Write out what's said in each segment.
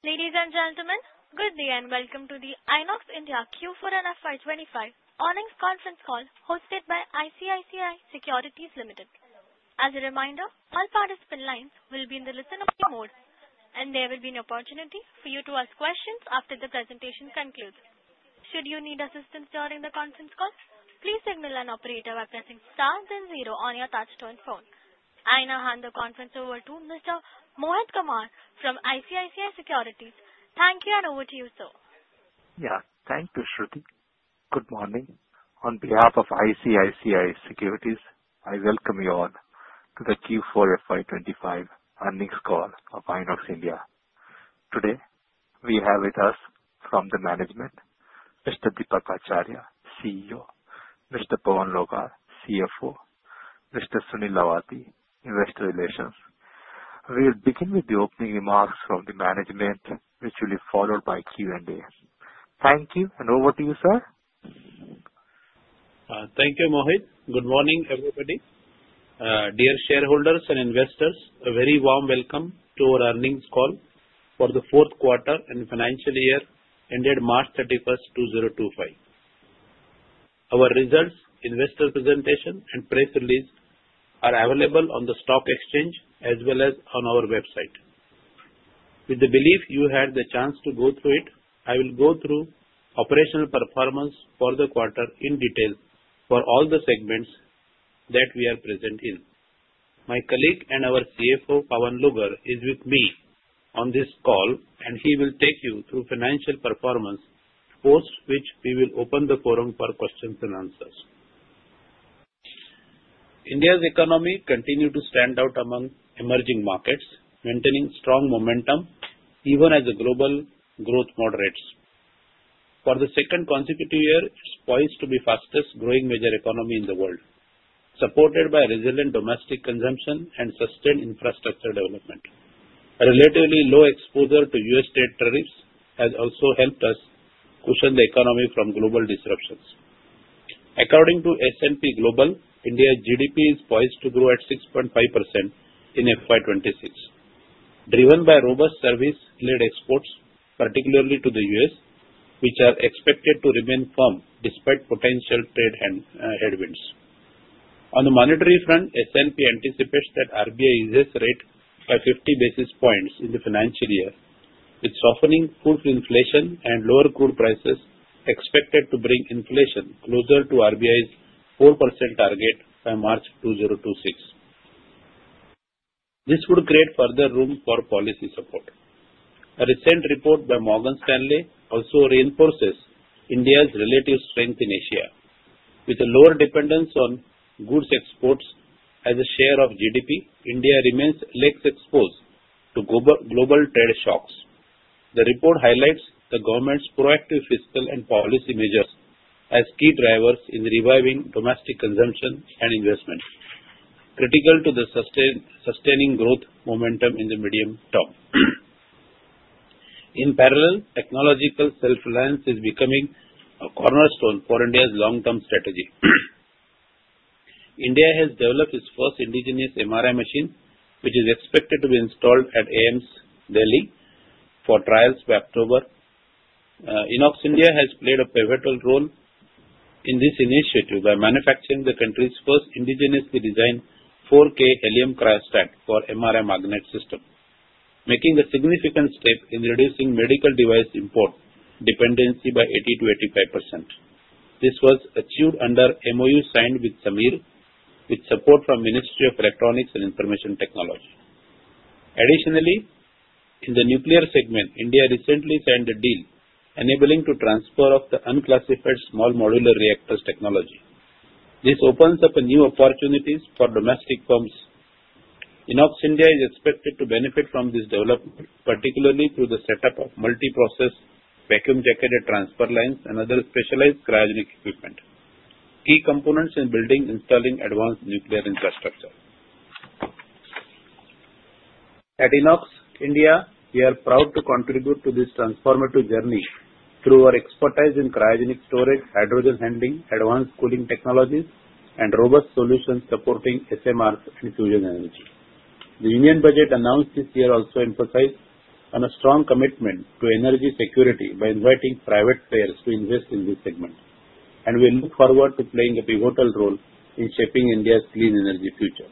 Ladies and gentlemen, good day and welcome to the INOX India Q4 and FY 2025 audience conference call hosted by ICICI Securities Limited. As a reminder, all participant lines will be in the listen-only mode, and there will be an opportunity for you to ask questions after the presentation concludes. Should you need assistance during the conference call, please signal an operator by pressing star and zero on your touch-tone phone. I now hand the conference over to Mr. Mohit Kumar from ICICI Securities. Thank you, and over to you, sir. Yeah, thank you, Shruti. Good morning. On behalf of ICICI Securities, I welcome you all to the Q4 FY 2025 earnings call of INOX India. Today, we have with us from the management, Mr. Deepak Acharya, CEO, Mr. Pavan Logar, CFO, and Mr. Sunny Luvati, Investor Relations. We'll begin with the opening remarks from the management, which will be followed by Q&A. Thank you, and over to you, sir. Thank you, Mohit. Good morning, everybody. Dear shareholders and investors, a very warm welcome to our earnings call for the fourth quarter and financial year ended March 31st, 2025. Our results, investor presentation, and press release are available on the stock exchange as well as on our website. With the belief you had the chance to go through it, I will go through operational performance for the quarter in detail for all the segments that we are present in. My colleague and our CFO, Pavan Logar, is with me on this call, and he will take you through financial performance post, which we will open the forum for questions and answers. India's economy continues to stand out among emerging markets, maintaining strong momentum even as the global growth moderates. For the second consecutive year, it's poised to be the fastest-growing major economy in the world, supported by resilient domestic consumption and sustained infrastructure development. Relatively low exposure to U.S. trade tariffs has also helped us cushion the economy from global disruptions. According to S&P Global, India's GDP is poised to grow at 6.5% in FY 2026, driven by robust service-led exports, particularly to the U.S., which are expected to remain firm despite potential trade headwinds. On the monetary front, S&P anticipates that RBI eases rate by 50 basis points in the financial year, with softening food inflation and lower crude prices expected to bring inflation closer to RBI's 4% target by March 2026. This would create further room for policy support. A recent report by Morgan Stanley also reinforces India's relative strength in Asia. With a lower dependence on goods exports as a share of GDP, India remains less exposed to global trade shocks. The report highlights the government's proactive fiscal and policy measures as key drivers in reviving domestic consumption and investment, critical to the sustaining growth momentum in the medium term. In parallel, technological self-reliance is becoming a cornerstone for India's long-term strategy. India has developed its first indigenous MRI machine, which is expected to be installed at AIIMS Delhi for trials by October. INOX India has played a pivotal role in this initiative by manufacturing the country's first indigenously designed 4K helium cryostat for MRI magnet system, making a significant step in reducing medical device import dependency by 80%-85%. This was achieved under MOU signed with CSIR, with support from the Ministry of Electronics and Information Technology. Additionally, in the nuclear segment, India recently signed a deal enabling the transfer of the unclassified small modular reactors technology. This opens up new opportunities for domestic firms. INOX India is expected to benefit from this development, particularly through the setup of multi-process vacuum jacketed transfer lines and other specialized cryogenic equipment, key components in building and installing advanced nuclear infrastructure. At INOX India, we are proud to contribute to this transformative journey through our expertise in cryogenic storage, hydrogen handling, advanced cooling technologies, and robust solutions supporting SMRs and fusion energy. The union budget announced this year also emphasized a strong commitment to energy security by inviting private players to invest in this segment, and we look forward to playing a pivotal role in shaping India's clean energy future.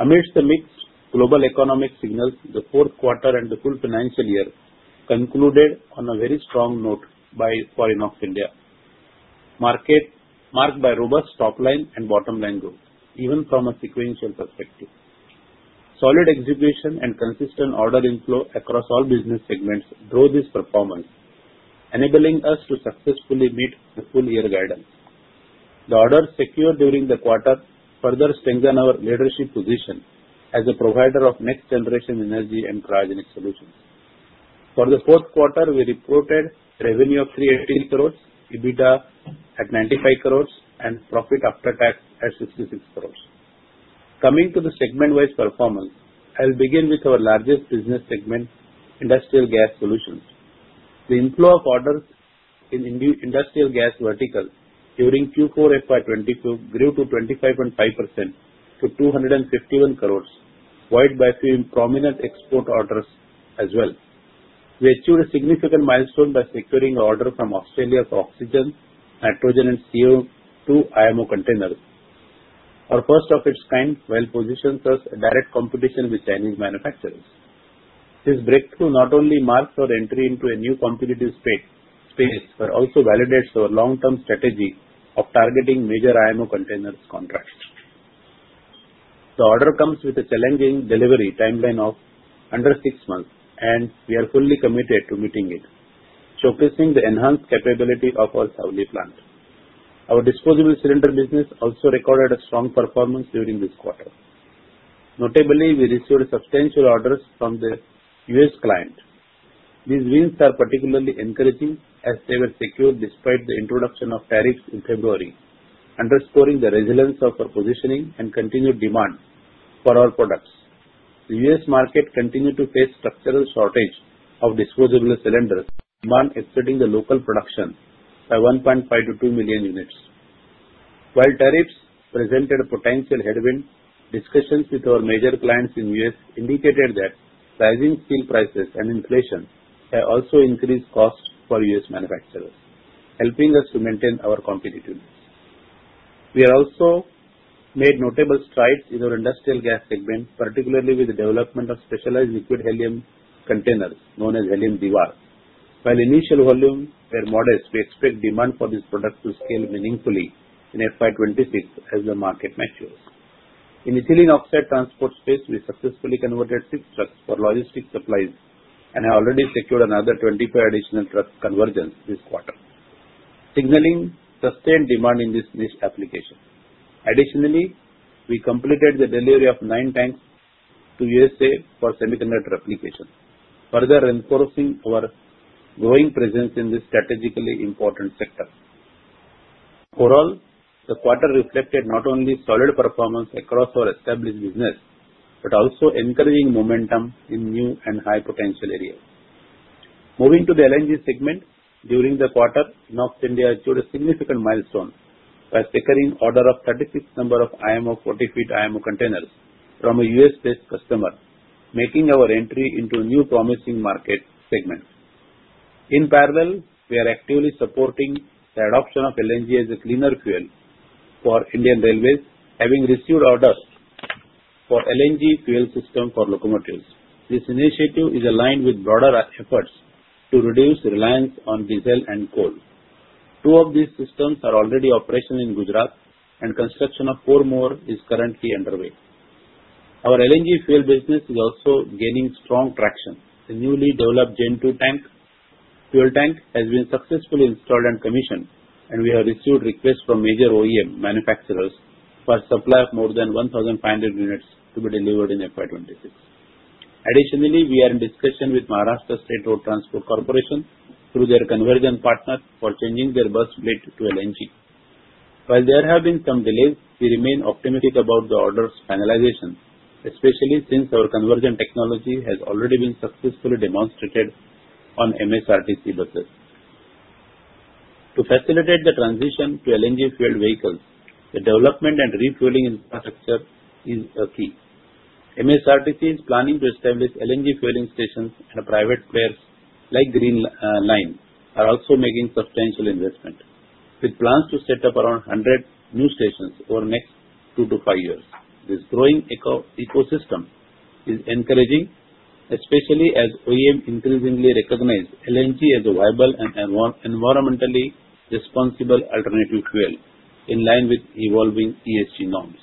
Amidst the mixed global economic signals, the fourth quarter and the full financial year concluded on a very strong note for INOX India, marked by robust top-line and bottom-line growth, even from a sequential perspective. Solid execution and consistent order inflow across all business segments drove this performance, enabling us to successfully meet the full-year guidance. The orders secured during the quarter further strengthened our leadership position as a provider of next-generation energy and cryogenic solutions. For the fourth quarter, we reported revenue of 318 crores, EBITDA at 95 crores, and profit after tax at 66 crores. Coming to the segment-wise performance, I'll begin with our largest business segment, industrial gas solutions. The inflow of orders in the industrial gas vertical during Q4 FY 2025 grew to 25.5% to 251 crores, followed by a few prominent export orders as well. We achieved a significant milestone by securing an order from Australia for oxygen, nitrogen, and CO2 IMO containers. Our first-of-its-kind well-positioned us in direct competition with Chinese manufacturers. This breakthrough not only marks our entry into a new competitive space but also validates our long-term strategy of targeting major IMO containers contracts. The order comes with a challenging delivery timeline of under six months, and we are fully committed to meeting it, showcasing the enhanced capability of our Saudi plant. Our disposable cylinder business also recorded a strong performance during this quarter. Notably, we received substantial orders from the U.S. client. These wins are particularly encouraging as they were secured despite the introduction of tariffs in February, underscoring the resilience of our positioning and continued demand for our products. The U.S. market continued to face structural shortage of disposable cylinders, demand exceeding the local production by 1.5 million-2 million units. While tariffs presented a potential headwind, discussions with our major clients in the U.S. indicated that rising steel prices and inflation have also increased costs for U.S. manufacturers, helping us to maintain our competitiveness. We have also made notable strides in our industrial gas segment, particularly with the development of specialized liquid helium containers known as Helium Dewar. While initial volumes were modest, we expect demand for this product to scale meaningfully in FY 2026 as the market matures. In the steel and oxide transport space, we successfully converted six trucks for logistics supplies and have already secured another 25 additional truck conversions this quarter, signaling sustained demand in this niche application. Additionally, we completed the delivery of nine tanks to the U.S. for semiconductor applications, further reinforcing our growing presence in this strategically important sector. Overall, the quarter reflected not only solid performance across our established business but also encouraging momentum in new and high-potential areas. Moving to the LNG segment, during the quarter, INOX India achieved a significant milestone by securing an order of 36 IMO 40 feet IMO containers from a U.S. based customer, making our entry into a new promising market segment. In parallel, we are actively supporting the adoption of LNG as a cleaner fuel for Indian railways, having received orders for LNG fuel systems for locomotives. This initiative is aligned with broader efforts to reduce reliance on diesel and coal. Two of these systems are already operational in Gujarat, and construction of four more is currently underway. Our LNG fuel business is also gaining strong traction. The newly developed Gen 2 fuel tank has been successfully installed and commissioned, and we have received requests from major OEM manufacturers for supply of more than 1,500 units to be delivered in FY 2026. Additionally, we are in discussion with Maharashtra State Road Transport Corporation through their conversion partner for changing their bus fleet to LNG. While there have been some delays, we remain optimistic about the order's finalization, especially since our conversion technology has already been successfully demonstrated on MSRTC buses. To facilitate the transition to LNG fuel vehicles, the development and refueling infrastructure is a key. MSRTC is planning to establish LNG fueling stations, and private players like Green Line are also making substantial investment, with plans to set up around 100 new stations over the next two to five years. This growing ecosystem is encouraging, especially as OEMs increasingly recognize LNG as a viable and environmentally responsible alternative fuel in line with evolving ESG norms.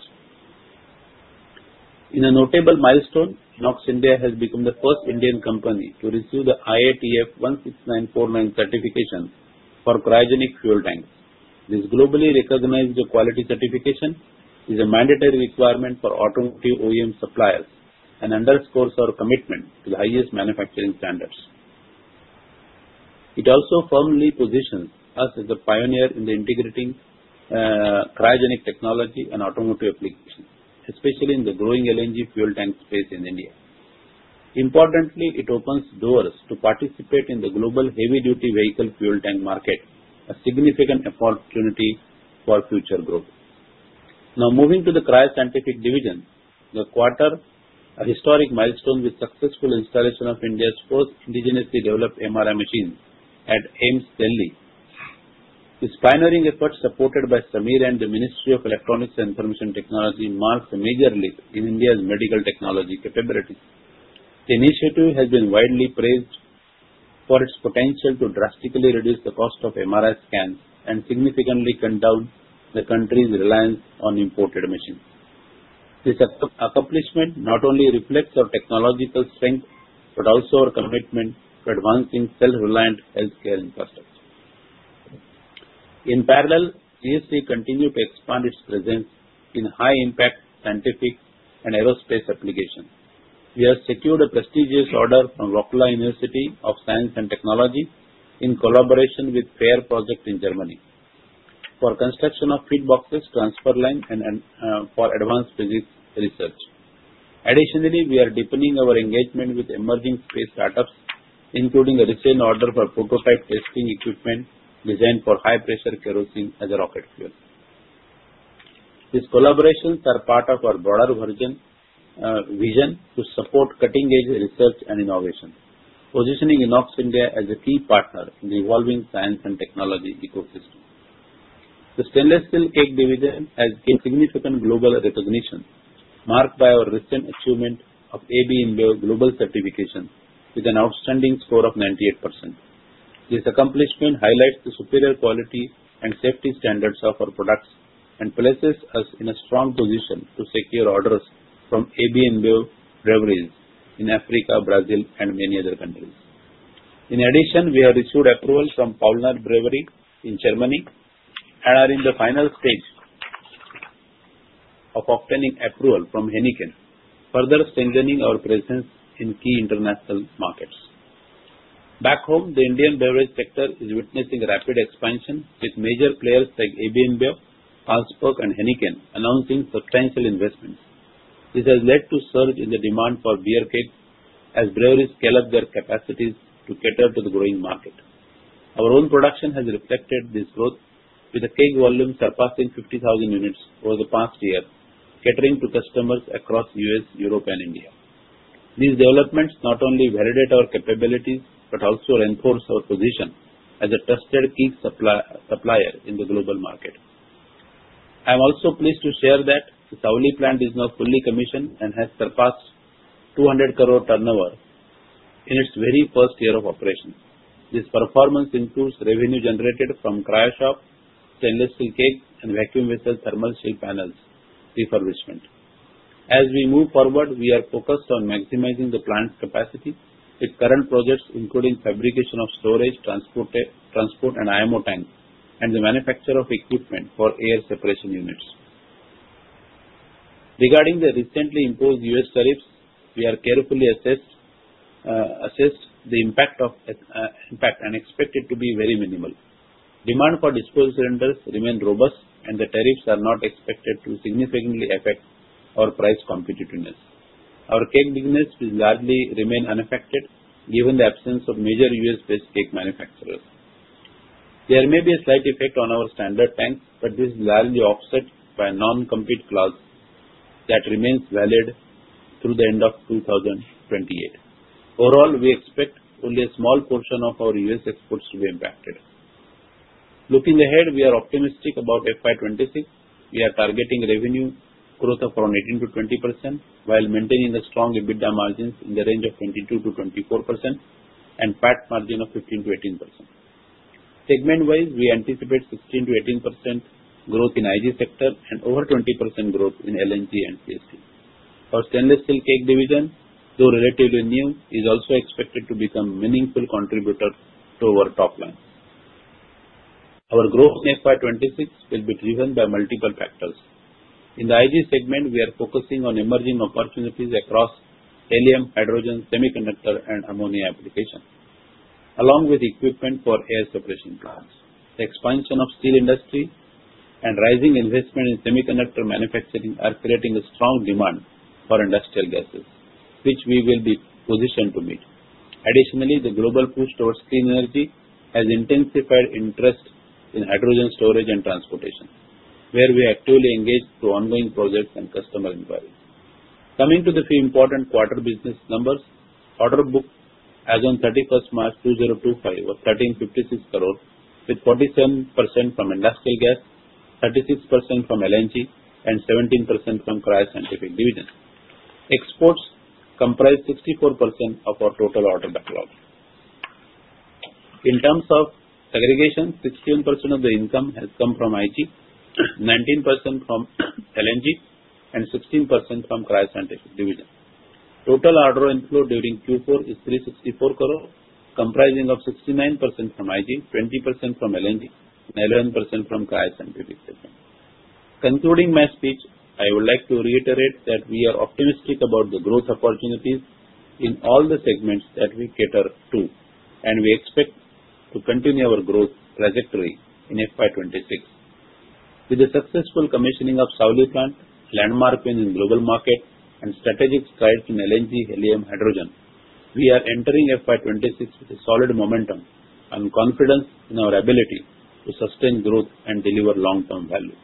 In a notable milestone, INOX India has become the first Indian company to receive the IATF 16949 certification for cryogenic fuel tanks. This globally recognized quality certification is a mandatory requirement for automotive OEM suppliers and underscores our commitment to the highest manufacturing standards. It also firmly positions us as a pioneer in integrating cryogenic technology and automotive applications, especially in the growing LNG fuel tank space in India. Importantly, it opens doors to participate in the global heavy-duty vehicle fuel tank market, a significant opportunity for future growth. Now, moving to the Cryo Scientific Division, the quarter is a historic milestone with the successful installation of India's first indigenously developed MRI machine at AIIMS Delhi. This pioneering effort, supported by Samir and the Ministry of Electronics and Information Technology, marks a major leap in India's medical technology capabilities. The initiative has been widely praised for its potential to drastically reduce the cost of MRI scans and significantly cut down the country's reliance on imported machines. This accomplishment not only reflects our technological strength but also our commitment to advancing self-reliant healthcare infrastructure. In parallel, GSC continues to expand its presence in high-impact scientific and aerospace applications. We have secured a prestigious order from National Institute of Technology Rourkela in collaboration with FAIR Project in Germany for construction of feed boxes, transfer lines, and for advanced physics research. Additionally, we are deepening our engagement with emerging space startups, including a research order for prototype testing equipment designed for high-pressure kerosene as a rocket fuel. These collaborations are part of our broader vision to support cutting-edge research and innovation, positioning INOX India as a key partner in the evolving science and technology ecosystem. The stainless steel keg division has gained significant global recognition, marked by our recent achievement of AB InBev Global certification with an outstanding score of 98%. This accomplishment highlights the superior quality and safety standards of our products and places us in a strong position to secure orders from AB InBev breweries in Africa, Brazil, and many other countries. In addition, we have received approval from Paulaner Brewery in Germany and are in the final stage of obtaining approval from Heineken, further strengthening our presence in key international markets. Back home, the Indian beverage sector is witnessing rapid expansion, with major players like AB InBev, Carlsberg, and Heineken announcing substantial investments. This has led to a surge in the demand for beer kegs as breweries scale up their capacities to cater to the growing market. Our own production has reflected this growth, with a keg volume surpassing 50,000 units over the past year, catering to customers across the U.S., Europe, and India. These developments not only validate our capabilities but also reinforce our position as a trusted key supplier in the global market. I am also pleased to share that the Saudi plant is now fully commissioned and has surpassed 200 crore turnover in its very first year of operation. This performance includes revenue generated from CryoShop, stainless steel kegs, and vacuum-based thermal shield panels refurbishment. As we move forward, we are focused on maximizing the plant's capacity with current projects, including the fabrication of storage, transport, and IMO tanks, and the manufacture of equipment for air separation units. Regarding the recently imposed U.S. tariffs, we have carefully assessed the impact and expect it to be very minimal. Demand for disposable cylinders remains robust, and the tariffs are not expected to significantly affect our price competitiveness. Our keg business will largely remain unaffected given the absence of major U.S. based keg manufacturers. There may be a slight effect on our standard tanks, but this is largely offset by a non-compete clause that remains valid through the end of 2028. Overall, we expect only a small portion of our U.S. exports to be impacted. Looking ahead, we are optimistic about FY 2026. We are targeting revenue growth of around 18%-20% while maintaining strong EBITDA margins in the range of 22%-24% and PAT margin of 15%-18%. Segment-wise, we anticipate 16%-18% growth in the IG sector and over 20% growth in LNG and GSC. Our stainless steel keg division, though relatively new, is also expected to become a meaningful contributor to our top lines. Our growth in FY 2026 will be driven by multiple factors. In the IG segment, we are focusing on emerging opportunities across helium, hydrogen, semiconductor, and ammonia applications, along with equipment for air separation plants. The expansion of the steel industry and rising investment in semiconductor manufacturing are creating a strong demand for industrial gases, which we will be positioned to meet. Additionally, the global push towards clean energy has intensified interest in hydrogen storage and transportation, where we are actively engaged through ongoing projects and customer inquiries. Coming to the few important quarter business numbers, order book as of 31st March 2025 was 1,356 crore, with 47% from industrial gas, 36% from LNG, and 17% from Cryo Scientific Divisions. Exports comprise 64% of our total order backlog. In terms of segregation, 16% of the income has come from IG, 19% from LNG, and 16% from Cryo Scientific Divisions. Total order inflow during Q4 is 364 crore, comprising 69% from IG, 20% from LNG, and 11% from Cryo Scientific Divisions. Concluding my speech, I would like to reiterate that we are optimistic about the growth opportunities in all the segments that we cater to, and we expect to continue our growth trajectory in FY 2026. With the successful commissioning of the Saudi plant, landmarking in the global market, and strategic strides in LNG, helium, hydrogen, we are entering FY 2026 with solid momentum and confidence in our ability to sustain growth and deliver long-term value.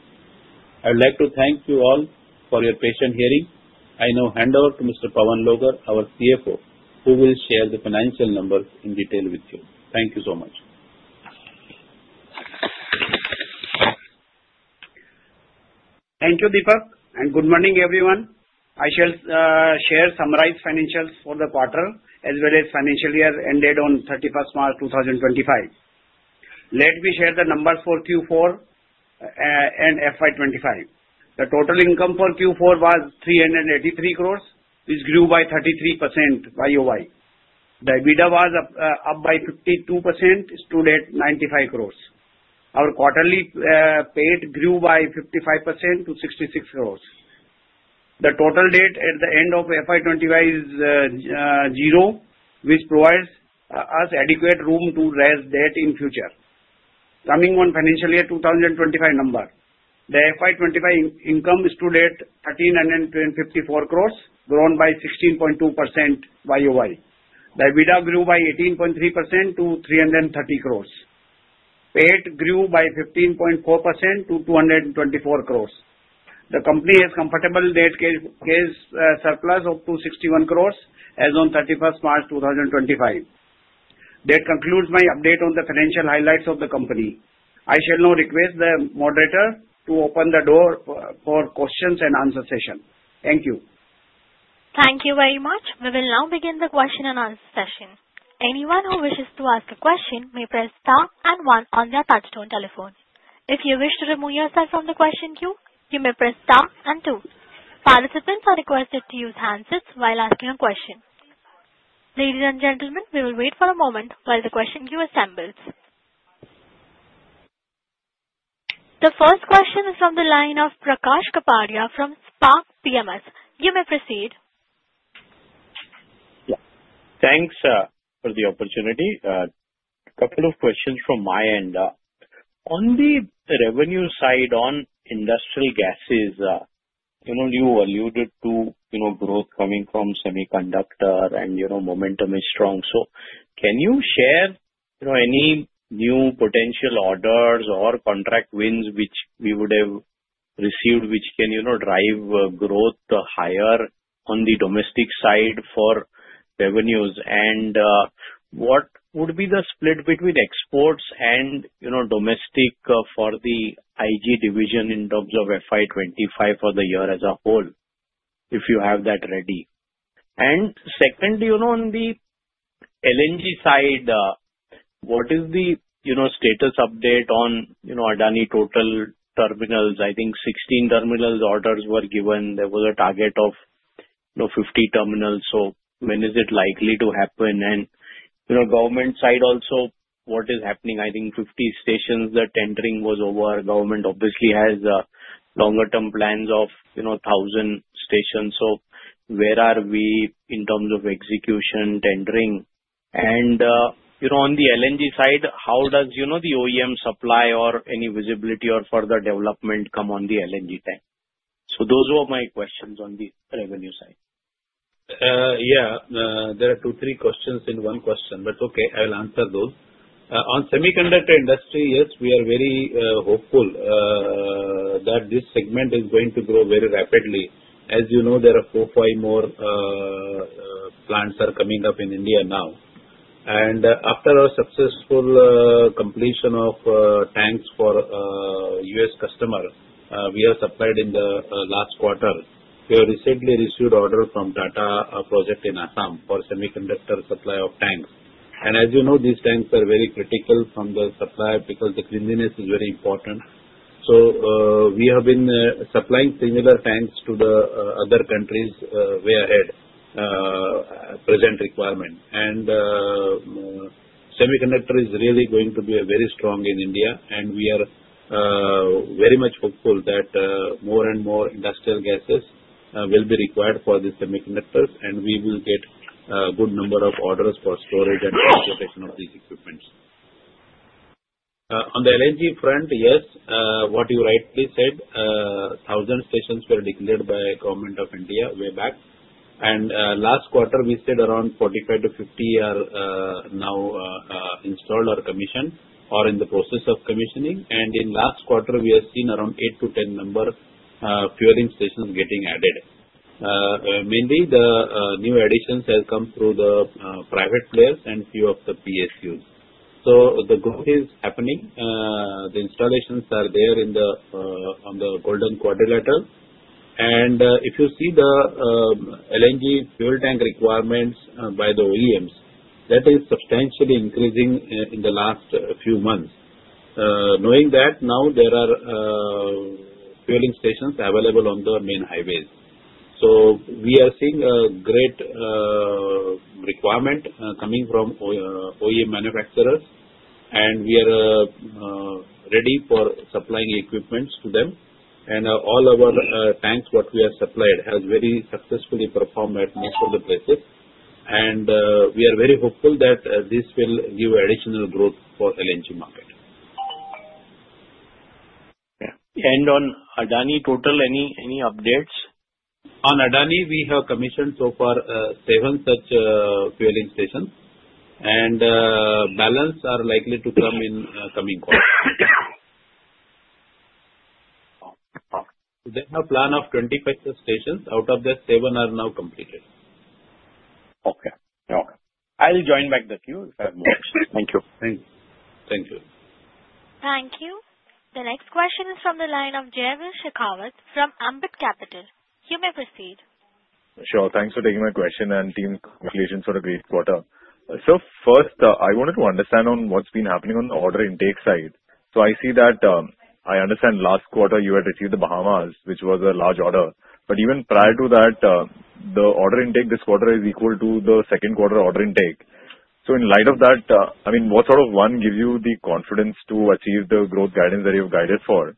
I would like to thank you all for your patient hearing. I now hand over to Mr. Pavan Logar, our CFO, who will share the financial numbers in detail with you. Thank you so much. Thank you, Deepak, and good morning, everyone. I shall share the summarized financials for the quarter as well as the financial year ended on 31st March 2025. Let me share the numbers for Q4 and FY 2025. The total income for Q4 was 383 crore, which grew by 33% year-over-year. The EBITDA was up by 52% to 95 crore. Our quarterly PAT grew by 55% to 66 crore. The total debt at the end of FY 2025 is zero, which provides us adequate room to raise debt in the future. Coming on financial year 2025 numbers, the FY 2025 income is 1,354 crore, grown by 16.2% year-over-year. The EBITDA grew by 18.3% to 330 crore. PAT grew by 15.4% to 224 crore. The company has a comfortable debt case surplus of 261 crore as of 31st March 2025. That concludes my update on the financial highlights of the company. I shall now request the moderator to open the door for question and answer session. Thank you. Thank you very much. We will now begin the question and answer session. Anyone who wishes to ask a question may press star and one on their touchstone telephone. If you wish to remove yourself from the question queue, you may press star and two. Participants are requested to use handsets while asking a question. Ladies and gentlemen, we will wait for a moment while the question queue assembles. The first question is from the line of Prakash Kapadia from Spark PMS. You may proceed. Thanks for the opportunity. A couple of questions from my end. On the revenue side on industrial gases, you alluded to growth coming from semiconductor, and momentum is strong. Can you share any new potential orders or contract wins which we would have received which can drive growth higher on the domestic side for revenues? What would be the split between exports and domestic for the IG division in terms of FY 2025 for the year as a whole, if you have that ready? Secondly, on the LNG side, what is the status update on Adani Total terminals? I think 16 terminal orders were given. There was a target of 50 terminals. When is it likely to happen? On the government side also, what is happening? I think 50 stations that tendering was over. Government obviously has longer-term plans of 1,000 stations. Where are we in terms of execution tendering? On the LNG side, how does the OEM supply or any visibility or further development come on the LNG tank? Those were my questions on the revenue side. Yeah, there are two or three questions in one question, but okay, I will answer those. On semiconductor industry, yes, we are very hopeful that this segment is going to grow very rapidly. As you know, there are four or five more plants coming up in India now. After our successful completion of tanks for U.S. customers we have supplied in the last quarter, we have recently received an order from Tata Projects in Assam for semiconductor supply of tanks. As you know, these tanks are very critical from the supply because the cleanliness is very important. We have been supplying similar tanks to other countries way ahead of present requirement. Semiconductor is really going to be very strong in India, and we are very much hopeful that more and more industrial gases will be required for the semiconductors, and we will get a good number of orders for storage and transportation of these equipments. On the LNG front, yes, what you rightly said, 1,000 stations were declared by the government of India way back. Last quarter, we said around 45-50 are now installed or commissioned or in the process of commissioning. In the last quarter, we have seen around 8-10 fueling stations getting added. Mainly, the new additions have come through the private players and a few of the PSUs. The growth is happening. The installations are there on the golden quadrilateral. If you see the LNG fuel tank requirements by the OEMs, that is substantially increasing in the last few months. Knowing that, now there are fueling stations available on the main highways. We are seeing a great requirement coming from OEM manufacturers, and we are ready for supplying equipment to them. All our tanks, what we have supplied, have very successfully performed at most of the places. We are very hopeful that this will give additional growth for the LNG market. Yeah. On Adani Total, any updates? On Adani, we have commissioned so far seven such fueling stations, and balance are likely to come in the coming quarter. They have a plan of 25 stations. Out of that, seven are now completed. Okay. Okay. I'll join back the queue if I have more questions. Thank you. Thank you. Thank you. The next question is from the line of Jaiveer Shekhawat from Ambit Capital. You may proceed. Sure. Thanks for taking my question and team, congratulations for a great quarter. First, I wanted to understand on what's been happening on the order intake side. I see that, I understand last quarter you had received the Bahamas, which was a large order. Even prior to that, the order intake this quarter is equal to the second quarter order intake. In light of that, I mean, what sort of one gives you the confidence to achieve the growth guidance that you have guided for?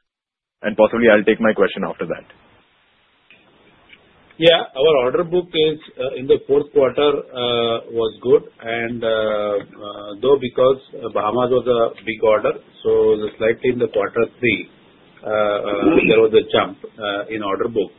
Possibly, I'll take my question after that. Yeah, our order book in the fourth quarter was good. Because Bahamas was a big order, slightly in the quarter three, there was a jump in order book.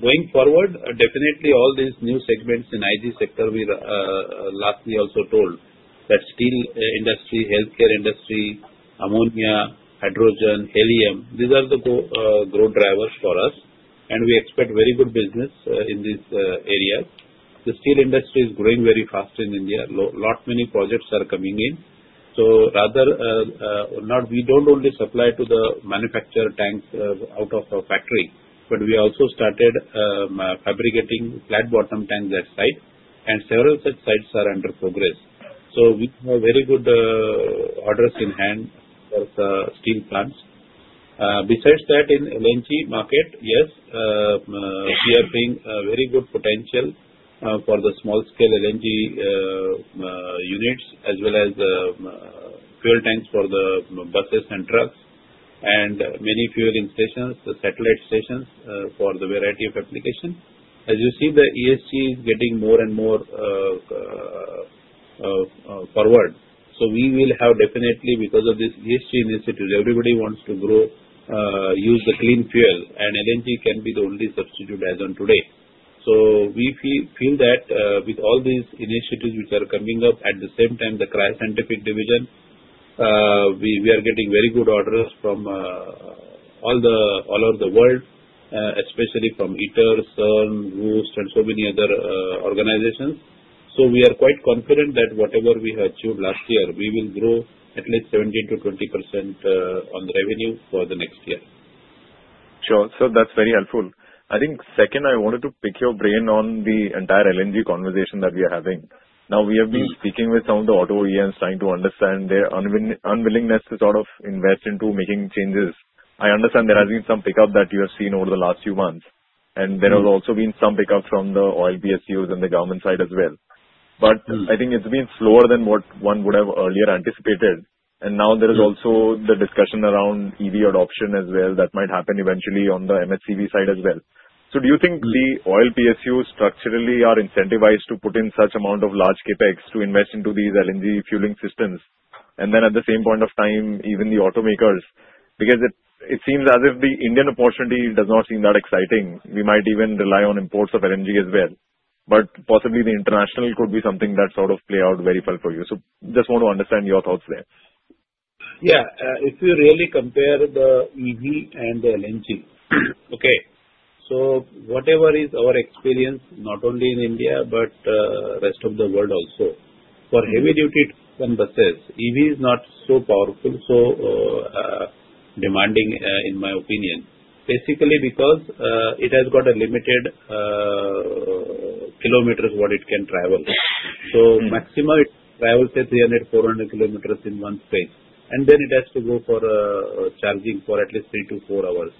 Going forward, definitely all these new segments in the IG sector, we lastly also told that steel industry, healthcare industry, ammonia, hydrogen, helium, these are the growth drivers for us. We expect very good business in these areas. The steel industry is growing very fast in India. A lot of many projects are coming in. Rather, we do not only supply to the manufacturer tanks out of our factory, but we also started fabricating flat bottom tanks that side. Several such sites are under progress. We have very good orders in hand for steel plants. Besides that, in the LNG market, yes, we are seeing very good potential for the small-scale LNG units as well as fuel tanks for the buses and trucks and many fueling stations, the satellite stations for the variety of application. As you see, the ESG is getting more and more forward. We will have definitely, because of this ESG initiative, everybody wants to grow, use the clean fuel, and LNG can be the only substitute as of today. We feel that with all these initiatives which are coming up, at the same time, the Cryo Scientific Division, we are getting very good orders from all over the world, especially from ITER, CERN, WUST, and so many other organizations. We are quite confident that whatever we have achieved last year, we will grow at least 17%-20% on the revenue for the next year. Sure. That's very helpful. I think second, I wanted to pick your brain on the entire LNG conversation that we are having. Now, we have been speaking with some of the auto OEMs trying to understand their unwillingness to sort of invest into making changes. I understand there has been some pickup that you have seen over the last few months. There has also been some pickup from the oil PSUs and the government side as well. I think it has been slower than what one would have earlier anticipated. Now there is also the discussion around EV adoption as well that might happen eventually on the MSCV side as well. Do you think the oil PSUs structurally are incentivized to put in such amount of large CapEx to invest into these LNG fueling systems? At the same point of time, even the automakers, because it seems as if the Indian opportunity does not seem that exciting. We might even rely on imports of LNG as well. Possibly the international could be something that sort of plays out very well for you. I just want to understand your thoughts there. Yeah. If you really compare the EV and the LNG, okay, so whatever is our experience, not only in India but the rest of the world also, for heavy-duty buses, EV is not so powerful, so demanding, in my opinion, basically because it has got a limited kilometers what it can travel. Maximum it travels at 300-400 km in one space, and then it has to go for charging for at least three to four hours.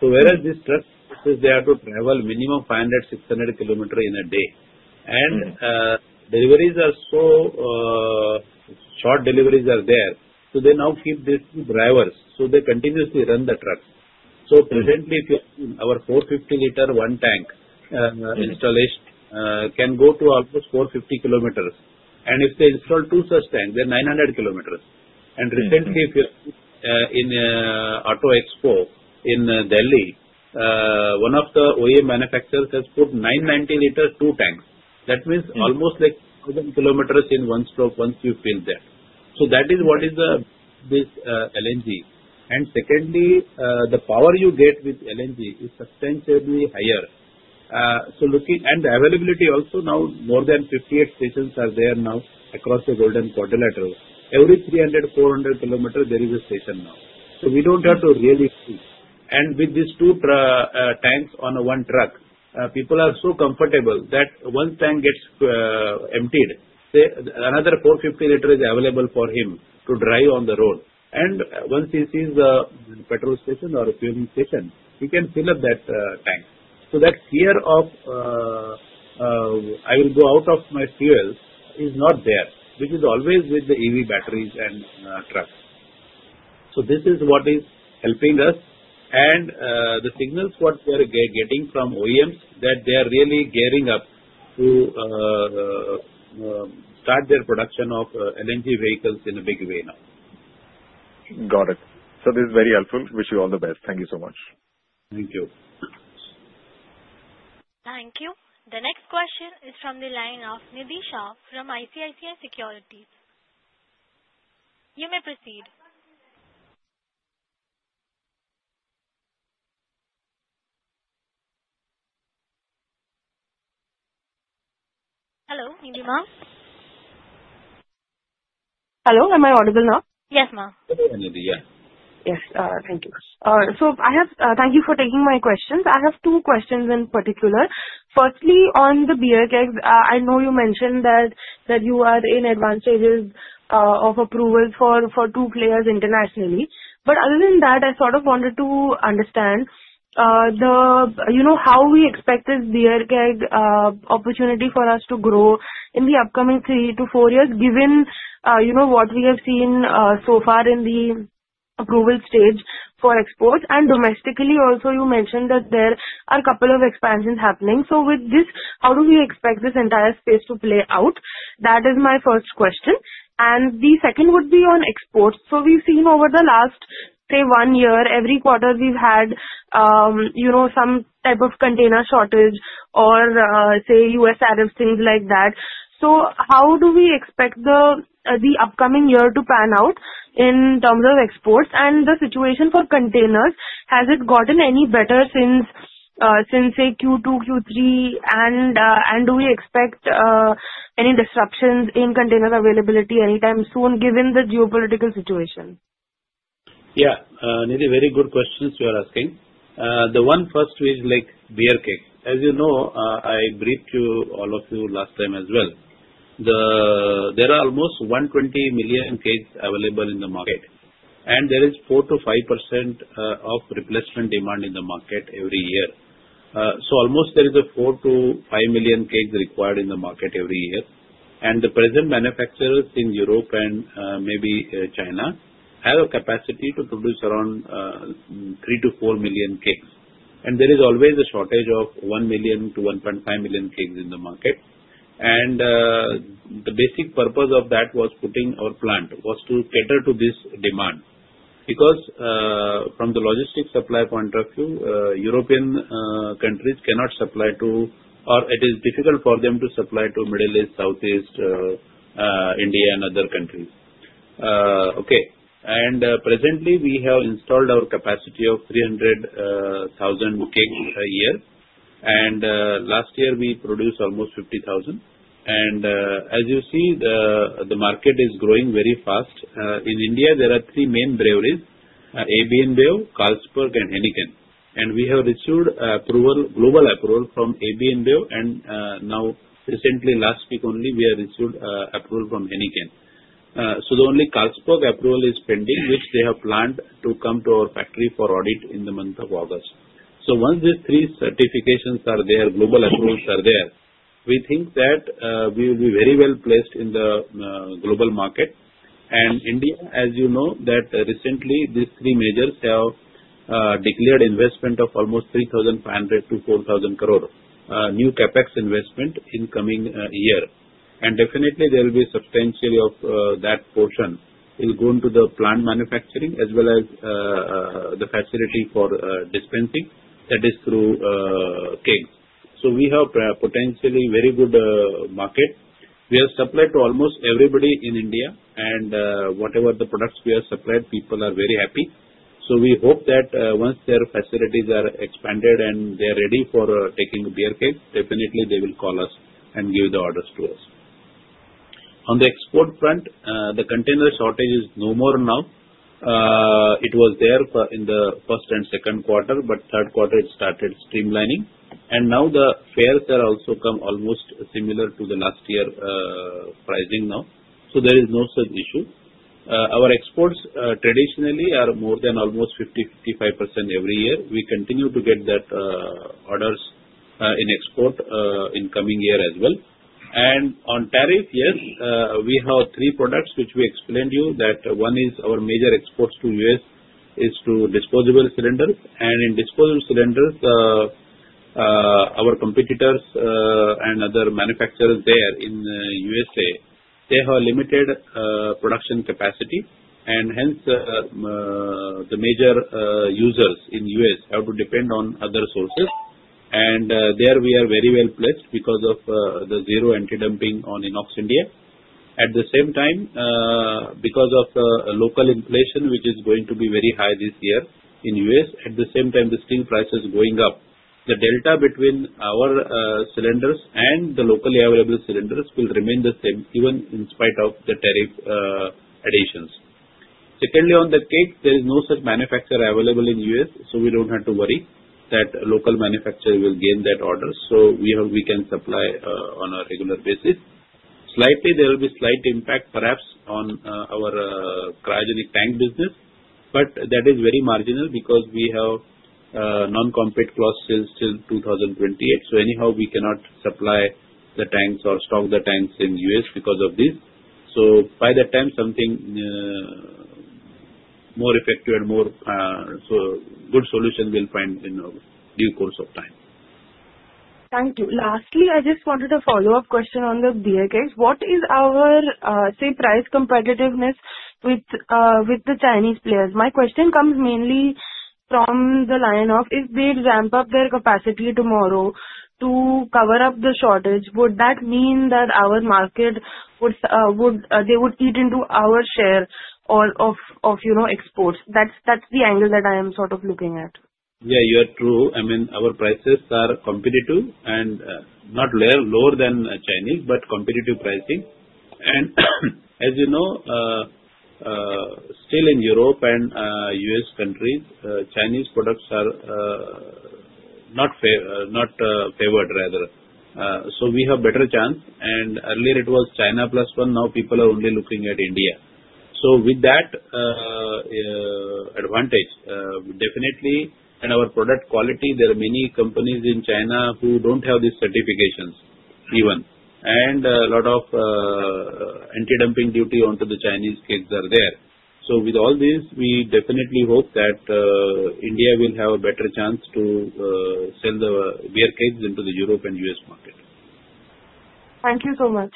Whereas this truck, they have to travel minimum 500-600 km in a day. Deliveries are so short, deliveries are there. They now keep these drivers, so they continuously run the trucks. Presently, our 450 L one-tank installation can go to almost 450 km, and if they install two such tanks, then 900 km. Recently, in Auto Expo in Delhi, one of the OEM manufacturers has put 990 L two tanks. That means almost like 1,000 km in one stroke once you fill that. That is what is this LNG. Secondly, the power you get with LNG is substantially higher. The availability also now, more than 58 stations are there now across the golden quadrilateral. Every 300-400 km, there is a station now. We do not have to really see. With these two tanks on one truck, people are so comfortable that once the tank gets emptied, another 450 L is available for him to drive on the road. Once he sees the petrol station or fueling station, he can fill up that tank. That fear of, "I will go out of my fuel," is not there, which is always with the EV batteries and trucks. This is what is helping us. The signals we are getting from OEMs are that they are really gearing up to start their production of LNG vehicles in a big way now. Got it. This is very helpful. Wish you all the best. Thank you so much. Thank you. Thank you. The next question is from the line of Nidisha from ICICI Securities. You may proceed. Hello, Nidisha? Hello. Am I audible now? Yes, ma'am. Yeah. Yes. Thank you. Thank you for taking my questions. I have two questions in particular. Firstly, on the beer kegs, I know you mentioned that you are in advanced stages of approval for two players internationally. Other than that, I sort of wanted to understand how we expect this beer keg opportunity for us to grow in the upcoming three to four years, given what we have seen so far in the approval stage for exports. Domestically, also, you mentioned that there are a couple of expansions happening. With this, how do we expect this entire space to play out? That is my first question. The second would be on exports. We have seen over the last, say, one year, every quarter we have had some type of container shortage or, say, U.S. tariffs, things like that. How do we expect the upcoming year to pan out in terms of exports? The situation for containers, has it gotten any better since, say, Q2, Q3? Do we expect any disruptions in container availability anytime soon, given the geopolitical situation? Yeah. Nidhi, very good questions you are asking. The one first is like beer kegs. As you know, I briefed you all of you last time as well. There are almost 120 million kegs available in the market. There is 4%-5% of replacement demand in the market every year. Almost there is a 4 million-5 million kegs required in the market every year. The present manufacturers in Europe and maybe China have a capacity to produce around 3 million-4 million kegs. There is always a shortage of 1 million-1.5 million kegs in the market. The basic purpose of that was putting our plant was to cater to this demand. Because from the logistics supply point of view, European countries cannot supply to, or it is difficult for them to supply to Middle East, Southeast, India, and other countries. Okay. Presently, we have installed our capacity of 300,000 kegs a year. Last year, we produced almost 50,000. As you see, the market is growing very fast. In India, there are three main breweries: AB InBev, Carlsberg, and Heineken. We have received global approval from AB InBev. Recently, last week only, we have received approval from Heineken. The only Carlsberg approval is pending, which they have planned to come to our factory for audit in the month of August. Once these three certifications are there, global approvals are there, we think that we will be very well placed in the global market. India, as you know, recently, these three majors have declared investment of almost 3,500-4,000 crore new CapEx investment in the coming year. There will be substantially of that portion will go into the plant manufacturing as well as the facility for dispensing that is through kegs. We have potentially very good market. We have supplied to almost everybody in India. Whatever the products we have supplied, people are very happy. We hope that once their facilities are expanded and they are ready for taking beer kegs, they will call us and give the orders to us. On the export front, the container shortage is no more now. It was there in the first and second quarter, but third quarter, it started streamlining. Now the fares have also come almost similar to last year's pricing now. There is no such issue. Our exports traditionally are more than almost 50%-55% every year. We continue to get that orders in export in the coming year as well. On tariff, yes, we have three products which we explained to you that one is our major exports to the U.S. is to disposable cylinders. In disposable cylinders, our competitors and other manufacturers there in the U.S., they have limited production capacity. Hence, the major users in the U.S. have to depend on other sources. There we are very well placed because of the zero anti-dumping on INOX India. At the same time, because of local inflation, which is going to be very high this year in the U.S., at the same time, the steel price is going up. The delta between our cylinders and the locally available cylinders will remain the same even in spite of the tariff additions. Secondly, on the kegs, there is no such manufacturer available in the U.S. So we do not have to worry that local manufacturers will gain that order. We can supply on a regular basis. Slightly, there will be slight impact perhaps on our cryogenic tank business. That is very marginal because we have non-compete clause since 2028. Anyhow, we cannot supply the tanks or stock the tanks in the U.S. because of this. By that time, something more effective and more good solution we will find in due course of time. Thank you. Lastly, I just wanted a follow-up question on the beer kegs. What is our, say, price competitiveness with the Chinese players? My question comes mainly from the line of if they ramp up their capacity tomorrow to cover up the shortage, would that mean that our market, would they would eat into our share of exports? That's the angle that I am sort of looking at. Yeah, you are true. I mean, our prices are competitive and not lower than Chinese, but competitive pricing. And as you know, still in Europe and U.S. countries, Chinese products are not favored rather. We have better chance. Earlier, it was China plus one. Now, people are only looking at India. With that advantage, definitely, and our product quality, there are many companies in China who don't have these certifications even. A lot of anti-dumping duty onto the Chinese kegs are there. With all this, we definitely hope that India will have a better chance to sell the beer kegs into the Europe and U.S. market. Thank you so much.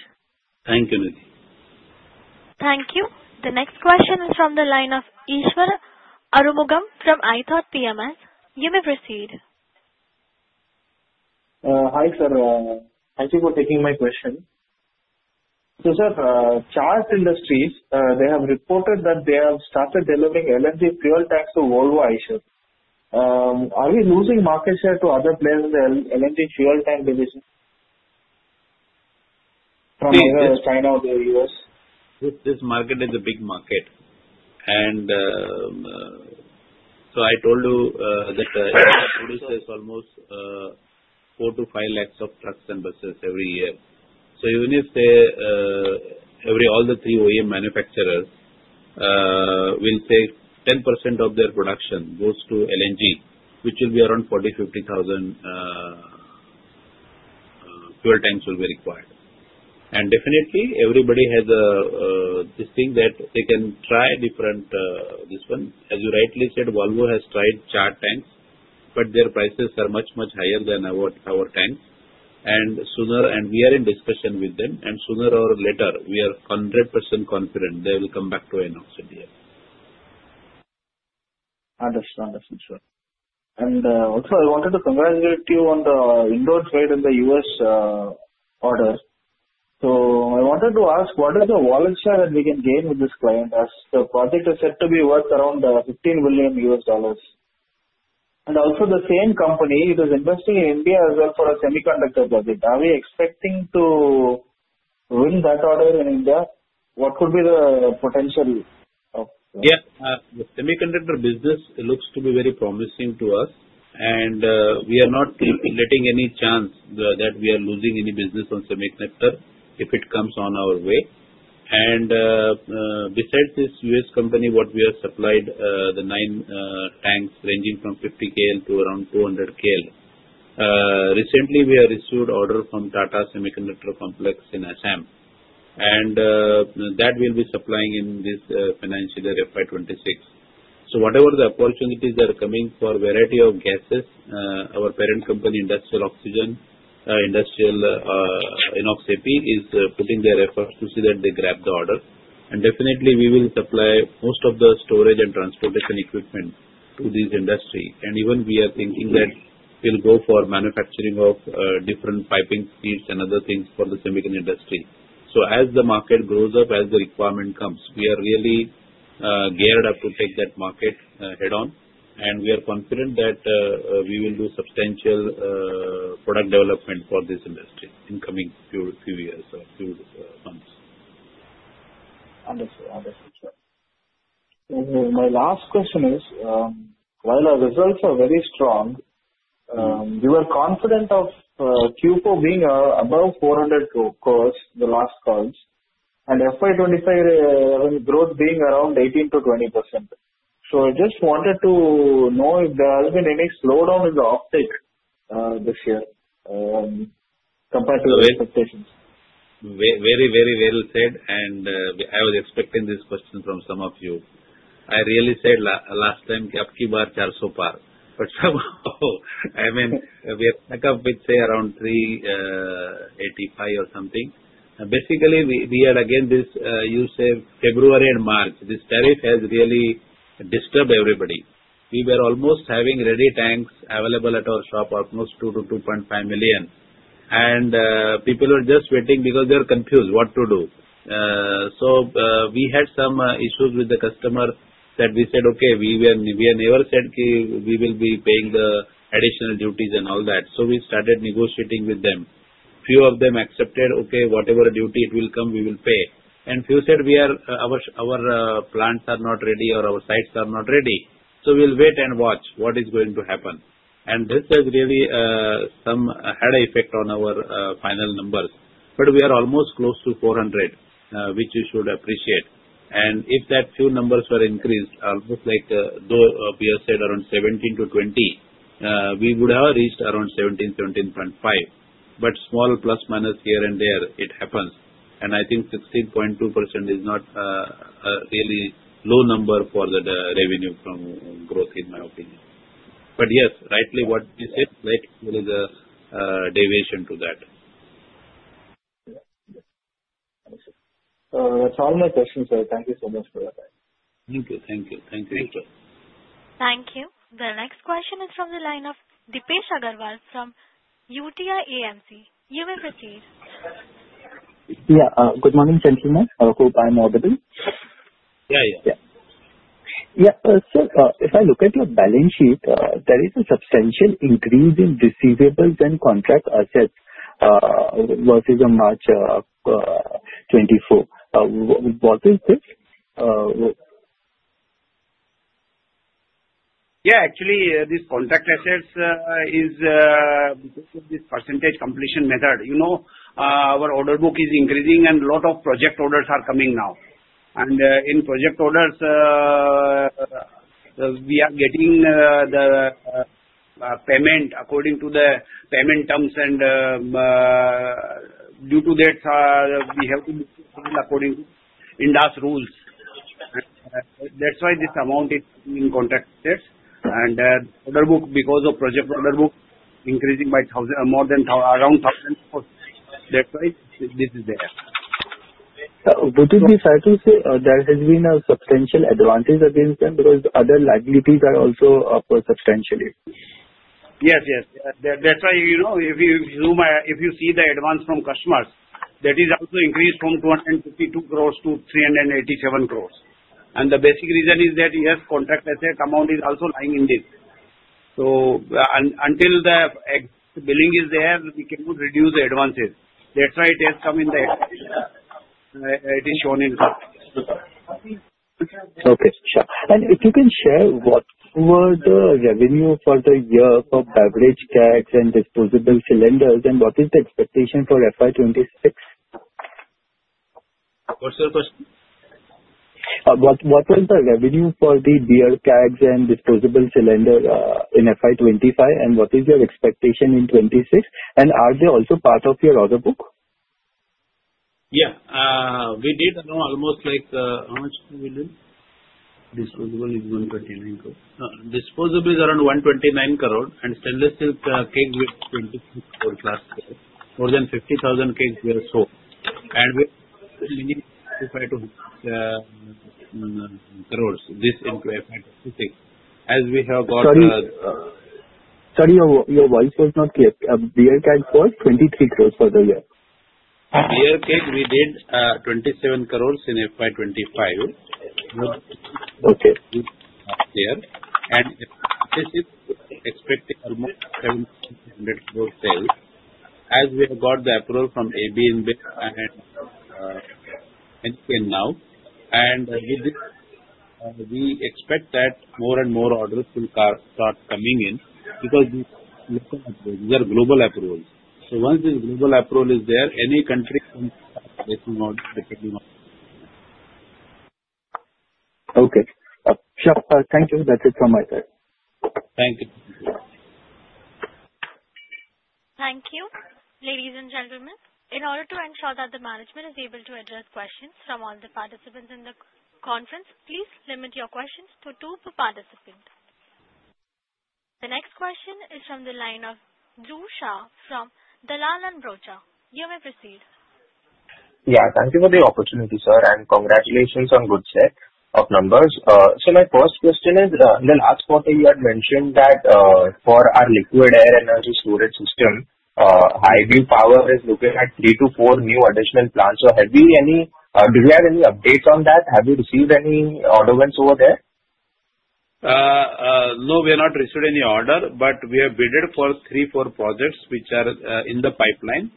Thank you, Nidhi. Thank you. The next question is from the line of Eshwar Arumugam from ithought PMS. You may proceed. Hi sir. Thank you for taking my question. So sir, Chart Industries, they have reported that they have started delivering LNG fuel tanks to Volvo Eicher. Are we losing market share to other players in the LNG fuel tank division from either China or the U.S.? This market is a big market. I told you that India produces almost 400,000-500,000 trucks and buses every year. Even if all the three OEM manufacturers, say 10% of their production goes to LNG, which will be around 40,000-50,000 fuel tanks will be required. Definitely, everybody has this thing that they can try different this one. As you rightly said, Volvo has tried Chart tanks, but their prices are much, much higher than our tanks. We are in discussion with them. Sooner or later, we are 100% confident they will come back to INOX India. Understood. Understood, sir. Also, I wanted to congratulate you on the indoor trade in the U.S. order. I wanted to ask, what is the wallet share that we can gain with this client as the project is said to be worth around $15 billion? Also, the same company is investing in India as well for a semiconductor project. Are we expecting to win that order in India? What could be the potential of? Yeah. The semiconductor business looks to be very promising to us. We are not letting any chance that we are losing any business on semiconductor if it comes on our way. Besides this U.S. company, what we have supplied, the nine tanks ranging from 50 KL to around 200 KL. Recently, we have received order from Tata Semiconductor Complex in Assam. That will be supplying in this financial year FY 2026. Whatever the opportunities that are coming for a variety of gases, our parent company, INOX Air Products, is putting their efforts to see that they grab the order. Definitely, we will supply most of the storage and transportation equipment to this industry. Even we are thinking that we'll go for manufacturing of different piping sheets and other things for the semiconductor industry. As the market grows up, as the requirement comes, we are really geared up to take that market head-on. We are confident that we will do substantial product development for this industry in the coming few years or few months. Understood. Understood, sir. My last question is, while our results are very strong, you were confident of Q4 being above 400 crore in the last calls and FY 2025 growth being around 18%-20%. I just wanted to know if there has been any slowdown in the uptake this year compared to expectations. Very, very well said. I was expecting this question from some of you. I really said last time, upkeep are 400 par. Somehow, I mean, we have backup with, say, around 385 crore or something. Basically, we had, again, this you said February and March, this tariff has really disturbed everybody. We were almost having ready tanks available at our shop, almost 2 million-2.5 million. People were just waiting because they were confused what to do. We had some issues with the customer that we said, "Okay. We never said we will be paying the additional duties and all that." We started negotiating with them. Few of them accepted, "Okay. Whatever duty it will come, we will pay." Few said, "Our plants are not ready or our sites are not ready. We will wait and watch what is going to happen." This has really had an effect on our final numbers. We are almost close to 400, which we should appreciate. If that few numbers were increased, almost like though we have said around 17-20, we would have reached around 17, 17.5. Small plus minus here and there, it happens. I think 16.2% is not a really low number for the revenue from growth, in my opinion. Yes, rightly what you said, there is a deviation to that. Yes. Understood. That's all my questions, sir. Thank you so much for your time. Thank you. The next question is from the line of Deepesh Agarwal from UTI AMC. You may proceed. Good morning, gentlemen. I hope I'm audible. Yeah. Sir, if I look at your balance sheet, there is a substantial increase in receivables and contract assets versus March 2024. What is this? Actually, this contract assets is this percentage completion method. Our order book is increasing, and a lot of project orders are coming now. In project orders, we are getting the payment according to the payment terms. Due to that, we have to be according to INDAS rules. That is why this amount is in contract assets. The order book, because of project order book, is increasing by more than around 1,000 crore. That is why this is there. Would it be fair to say there has been a substantial advantage against them because other liabilities are also substantial? Yes. Yes. If you zoom, if you see the advance from customers, that has also increased from 252 crore to 387 crore. The basic reason is that, yes, contract asset amount is also lying in this. Until the billing is there, we cannot reduce the advances. That is why it has come in the, it is shown in the contract. Okay. Sure. If you can share what were the revenue for the year for beverage kegs and disposable cylinders, and what is the expectation for FY 2026? What's your question? What was the revenue for the beer kegs and disposable cylinder in FY 2025, and what is your expectation in 2026? Are they also part of your order book? Yeah. We did almost like how much did we do? Disposable is 139 crores. Disposable is around 129 crores. Stainless steel keg was 20 crore-26 crores last year. More than 50,000 kegs were sold. We have to try to crores this in FY 2026. As we have got the. Sorry. Your voice was not clear. Beer keg was 23 crores for the year. Beer keg, we did 27 crores in FY 2025. Yeah. This is expecting almost 70 crore-100 crores sales. As we have got the approval from AB InBev and NPN now. With this, we expect that more and more orders will start coming in because these are global approvals. Once this global approval is there, any country can start placing orders depending on. Okay. Sure. Thank you. That's it from my side. Thank you. Thank you. Ladies and gentlemen, in order to ensure that the management is able to address questions from all the participants in the conference, please limit your questions to two per participant. The next question is from the line of Drusha from Dalal Broacha. You may proceed. Yeah. Thank you for the opportunity, sir. Congratulations on good set of numbers. My first question is, in the last quarter, you had mentioned that for our liquid air energy storage system, Hydro Power is looking at three to four new additional plants. Do we have any updates on that? Have you received any order wins over there? No, we have not received any order. We have bidded for three or four projects which are in the pipeline.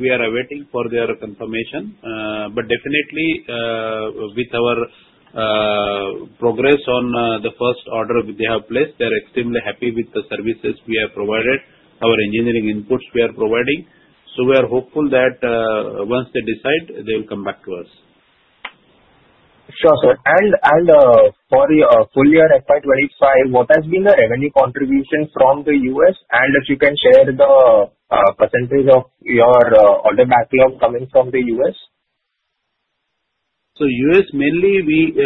We are awaiting their confirmation. Definitely, with our progress on the first order they have placed, they are extremely happy with the services we have provided, the engineering inputs we are providing. We are hopeful that once they decide, they will come back to us. Sure, sir. For your full year FY 2025, what has been the revenue contribution from the U.S.? If you can share the percentage of your order backlog coming from the U.S.? U.S., mainly, we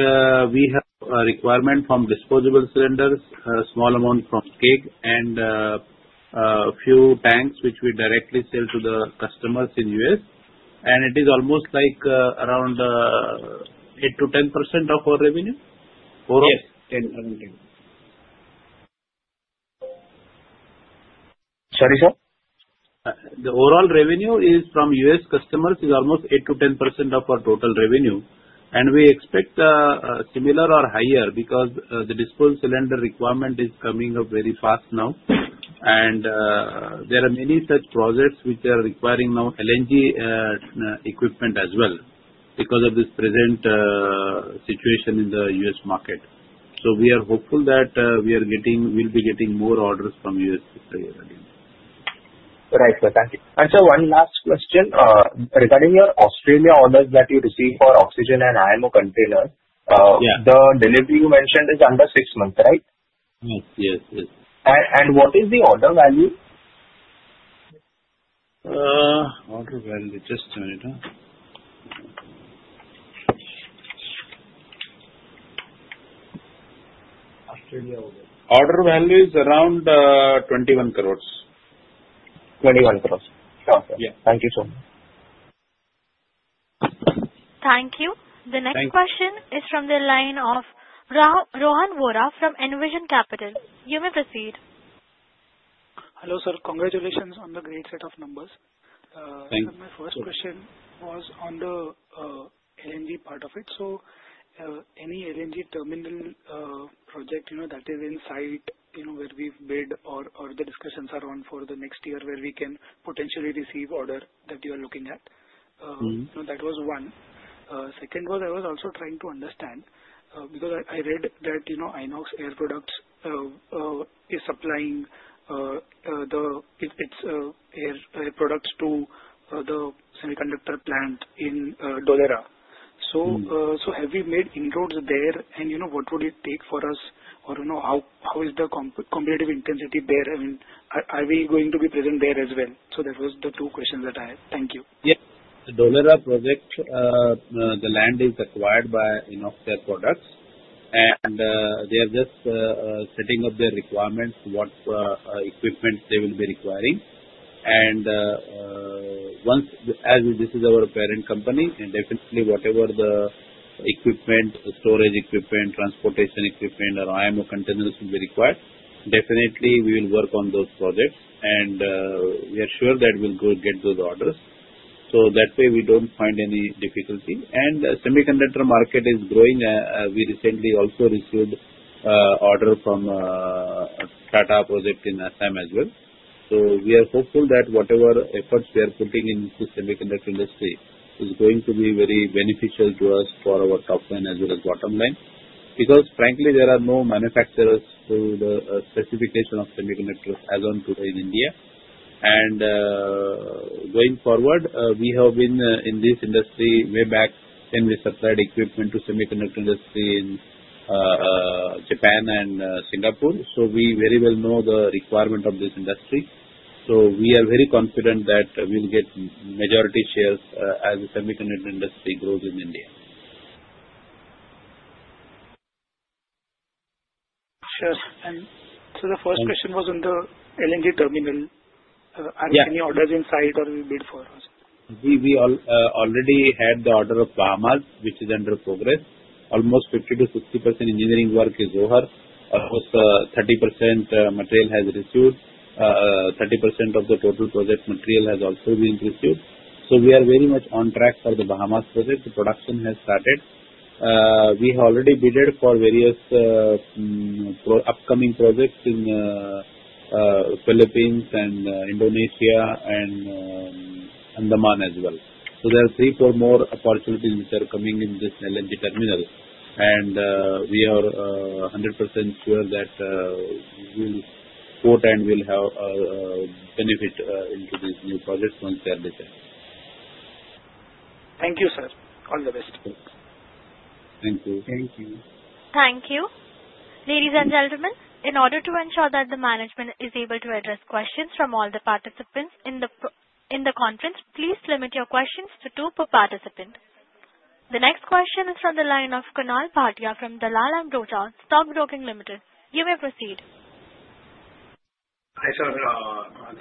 have a requirement from disposable cylinders, a small amount from kegs, and a few tanks which we directly sell to the customers in the U.S. It is almost like around 8-10% of our revenue overall. The overall revenue from U.S. customers is almost 8%-10% of our total revenue. We expect similar or higher because the disposable cylinder requirement is coming up very fast now. There are many such projects which are requiring LNG equipment as well because of this present situation in the U.S. market. We are hopeful that we will be getting more orders from the U.S. this year. Right. Thank you. Sir, one last question regarding your Australia orders that you received for oxygen and IMO containers. The delivery you mentioned is under six months, right? Yes. Yes. What is the order value? Order value, just a minute. Australia order. Order value is around 21 crore. 21 crore. Sure, sir. Thank you so much. Thank you. The next question is from the line of Rohan Vora from Envision Capital. You may proceed. Hello, sir. Congratulations on the great set of numbers. Thank you. My first question was on the LNG part of it. Any LNG terminal project that is in sight where we've bid or the discussions are on for the next year where we can potentially receive order that you are looking at? That was one. Second was, I was also trying to understand because I read that INOX Air Products is supplying its air products to the semiconductor plant in Dholera. Have we made inroads there? What would it take for us? I mean, how is the competitive intensity there? I mean, are we going to be present there as well? That was the two questions that I had. Thank you. Yeah. Dholera project, the land is acquired by INOX Air Products. They are just setting up their requirements, what equipment they will be requiring. As this is our parent company, definitely whatever the equipment, storage equipment, transportation equipment, or IMO containers will be required, definitely we will work on those projects. We are sure that we'll go get those orders. That way, we don't find any difficulty. Semiconductor market is growing. We recently also received an order from Tata Projects in Assam as well. We are hopeful that whatever efforts we are putting into the semiconductor industry is going to be very beneficial to us for our top line as well as bottom line. Because frankly, there are no manufacturers to the specification of semiconductors as of today in India. Going forward, we have been in this industry way back when we supplied equipment to the semiconductor industry in Japan and Singapore. We very well know the requirement of this industry. We are very confident that we'll get majority shares as the semiconductor industry grows in India. Sure. The first question was on the LNG terminal. Are there any orders in sight or will bid for? We already had the order of Bahamas, which is under progress. Almost 50%-60% engineering work is over. Almost 30% material has received, 30% of the total project material has also been received. We are very much on track for the Bahamas project. The production has started. We have already bidded for various upcoming projects in the Philippines and Indonesia and Andaman as well. There are three, four more opportunities which are coming in this LNG terminal. We are 100% sure that we will support and we'll have a benefit into these new projects once they are designed. Thank you, sir. All the best. Thank you. Thank you. Ladies and gentlemen, in order to ensure that the management is able to address questions from all the participants in the conference, please limit your questions to two per participant. The next question is from the line of kunal patia from [Dalal] stockbroking limited. You may proceed. Hi sir.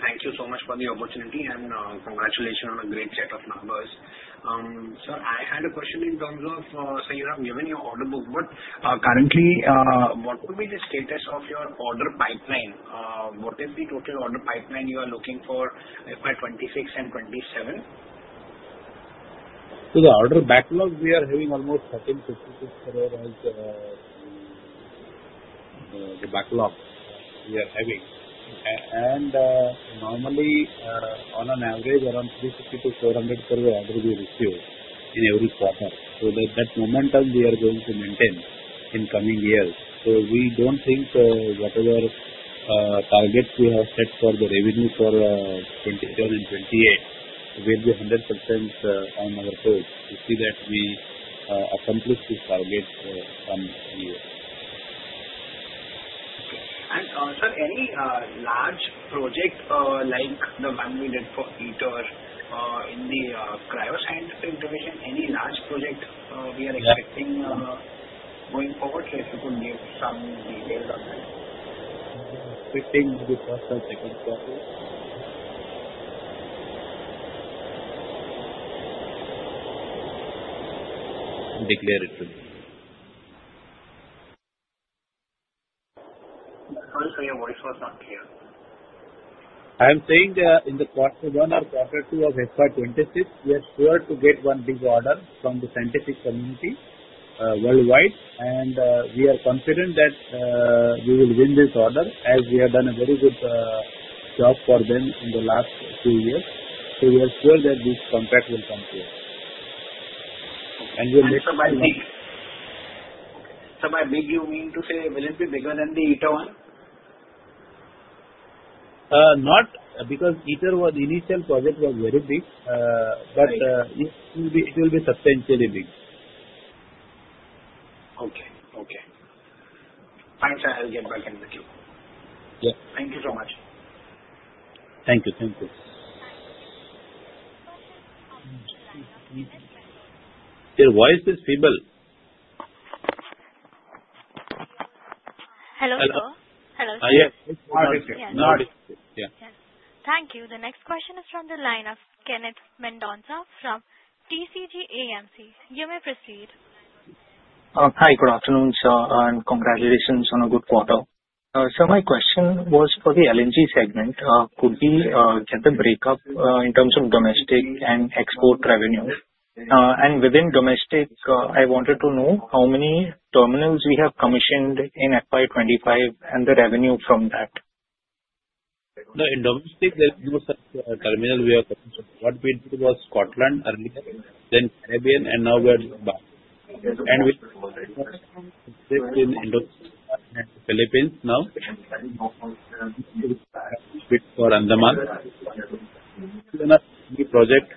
Thank you so much for the opportunity. And congratulations on a great set of numbers. Sir, I had a question in terms of, so you have given your order book. But currently, what would be the status of your order pipeline? What is the total order pipeline you are looking for FY 2026 and FY 2027? The order backlog, we are having almost 1,356 crore as the backlog we are having. Normally, on an average, around 350 crore-400 crore will be received in every quarter. That momentum, we are going to maintain in coming years. We do not think whatever targets we have set for the revenue for FY2027 and FY2028, we will be 100% on our toes. We see that we accomplish these targets coming years. Okay. Sir, any large project like the one we did for ITER in the Cryo Science Division? Any large project we are expecting going forward? If you could give some details on that. I'm expecting the quarter second quarter. Declare it to me. Sorry, sir, your voice was not clear. I'm saying in the quarter one or quarter two of FY 2026, we are sure to get one big order from the scientific community worldwide. We are confident that we will win this order as we have done a very good job for them in the last few years. We are sure that this contract will come to us. We'll make sure. Okay. By big, you mean to say will it be bigger than the ITER one? Not because ITER was initial project was very big, but it will be substantially big. Okay. Okay. Thanks. I'll get back in queue. Yeah. Thank you so much. Thank you. Your voice is stable. Hello, sir. Thank you. The next question is from the line of Kenneth Mendonca from TCG AMC. You may proceed. Hi. Good afternoon, sir. And congratulations on a good quarter. Sir, my question was for the LNG segment. Could we get the breakup in terms of domestic and export revenue? Within domestic, I wanted to know how many terminals we have commissioned in FY 2025 and the revenue from that. In domestic, there were some terminals we have commissioned. What we did was Scotland earlier, then Caribbean, and now we are Dubai. We are in Indo-Philippines now. We have bid for Andaman. We are not doing any project.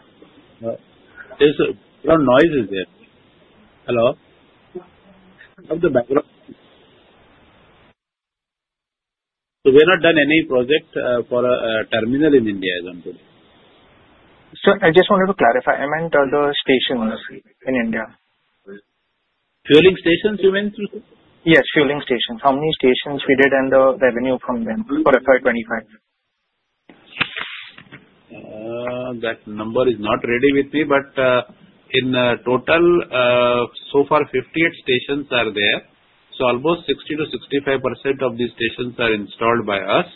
There is a lot of noise there. Hello? Of the background. We have not done any project for a terminal in India as of today. Sir, I just wanted to clarify. I meant the stations in India. Fueling stations, you meant? Yes. Fueling stations. How many stations we did and the revenue from them for FY 2025? That number is not ready with me. In total, so far, 58 stations are there. Almost 60%-65% of these stations are installed by us.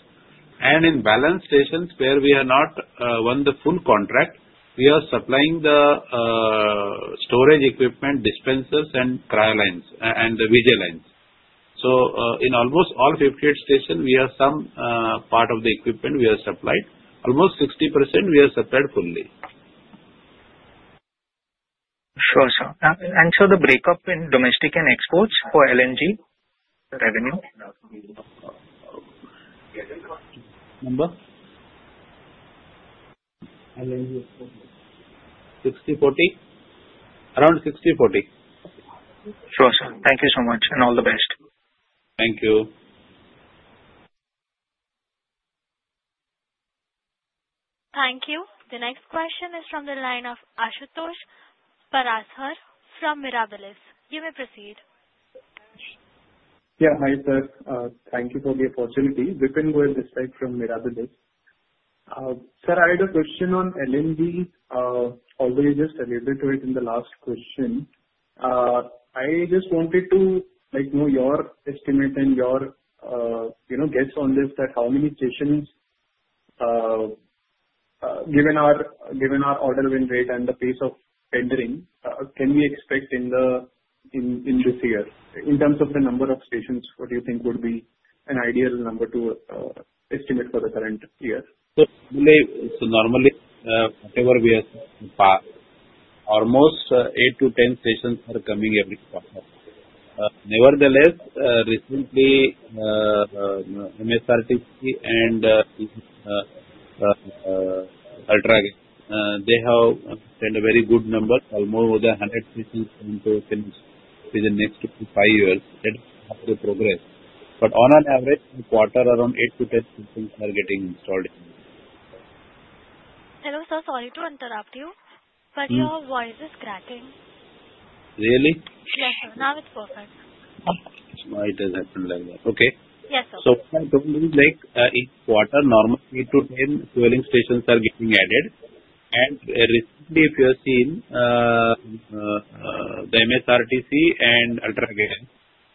In the balance stations, where we have not won the full contract, we are supplying the storage equipment, dispensers, Cryo lines, and the VJ lines. In almost all 58 stations, we have some part of the equipment we have supplied. Almost 60% we have supplied fully. Sure, sir. Sir, the breakup in domestic and exports for LNG revenue? Number? LNG export? 60, 40? Around 60, 40. Sure, sir. Thank you so much. All the best. Thank you. Thank you. The next question is from the line of Ashutosh Paraskar from Mirabilis. You may proceed. Yeah. Hi, sir. Thank you for the opportunity. Dipin Gohan Desai from Mirabilis. Sir, I had a question on LNG. Although you just alluded to it in the last question, I just wanted to know your estimate and your guess on this that how many stations, given our order win rate and the pace of tendering, can we expect in this year? In terms of the number of stations, what do you think would be an ideal number to estimate for the current year? Normally, whatever we have to pass, almost 8-10 stations are coming every quarter. Nevertheless, recently, MSRTC and Ultra, they have sent a very good number, almost more than 100 stations going to finish within the next five years. That is the progress. On average, per quarter, around 8-10 stations are getting installed. Hello, sir. Sorry to interrupt you. But your voice is cracking. Really? Yes, sir. Now it is perfect. Okay. Yes, sir. What I told you is each quarter, normally, 8-10 fueling stations are getting added. Recently, if you have seen, the MSRTC and Ultra again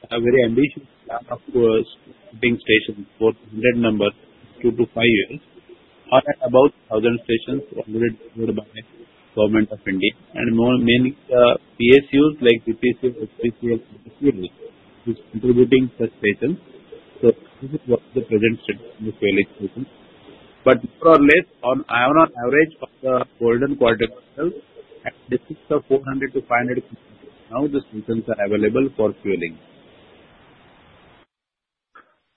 have a very ambitious plan of building stations for 100 numbers in two to five years. On an about 1,000 stations provided by Government of India. Mainly, PSUs like BPC and SPCLC are contributing to the stations. This is what the present situation is in the fueling station. But more or less, on an average of the golden quadrant station, this is 400-500 stations now the stations are available for fueling.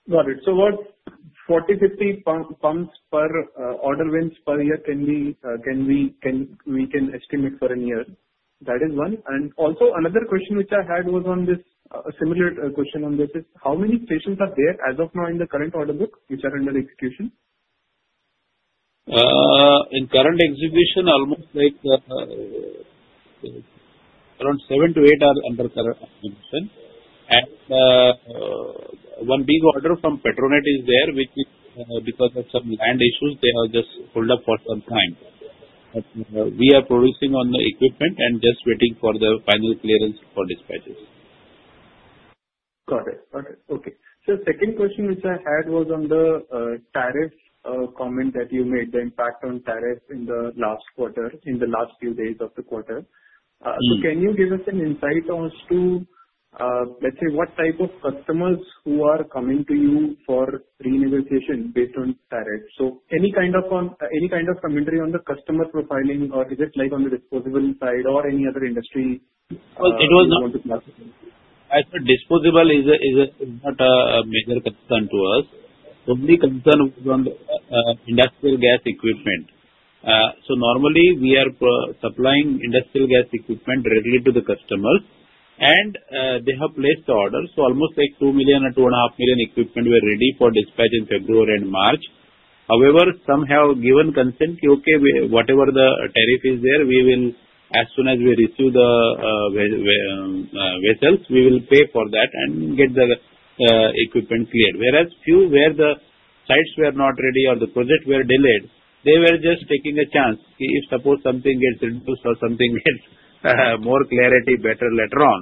Got it. So what, 40-50 pumps per order wins per year can we estimate for a year? That is one. Also, another question which I had was on this similar question on this is how many stations are there as of now in the current order book which are under execution? In current execution, almost around seven to eight are under current execution. One big order from Petronet is there, which is because of some land issues, they are just held up for some time. We are producing on the equipment and just waiting for the final clearance for dispatches. Got it. Got it. Okay. Sir, second question which I had was on the tariff comment that you made, the impact on tariffs in the last quarter, in the last few days of the quarter. Can you give us an insight as to, let's say, what type of customers who are coming to you for renegotiation based on tariffs? Any kind of commentary on the customer profiling or is it on the disposable side or any other industry? As per disposable, it is not a major concern to us. Only concern was on the industrial gas equipment. Normally, we are supplying industrial gas equipment directly to the customers. They have placed orders. Almost like 2 million or 2.5 million equipment were ready for dispatch in February and March. However, some have given consent to, okay, whatever the tariff is there, as soon as we receive the vessels, we will pay for that and get the equipment cleared. Whereas few where the sites were not ready or the project were delayed, they were just taking a chance. If, suppose, something gets reduced or something gets more clarity, better later on.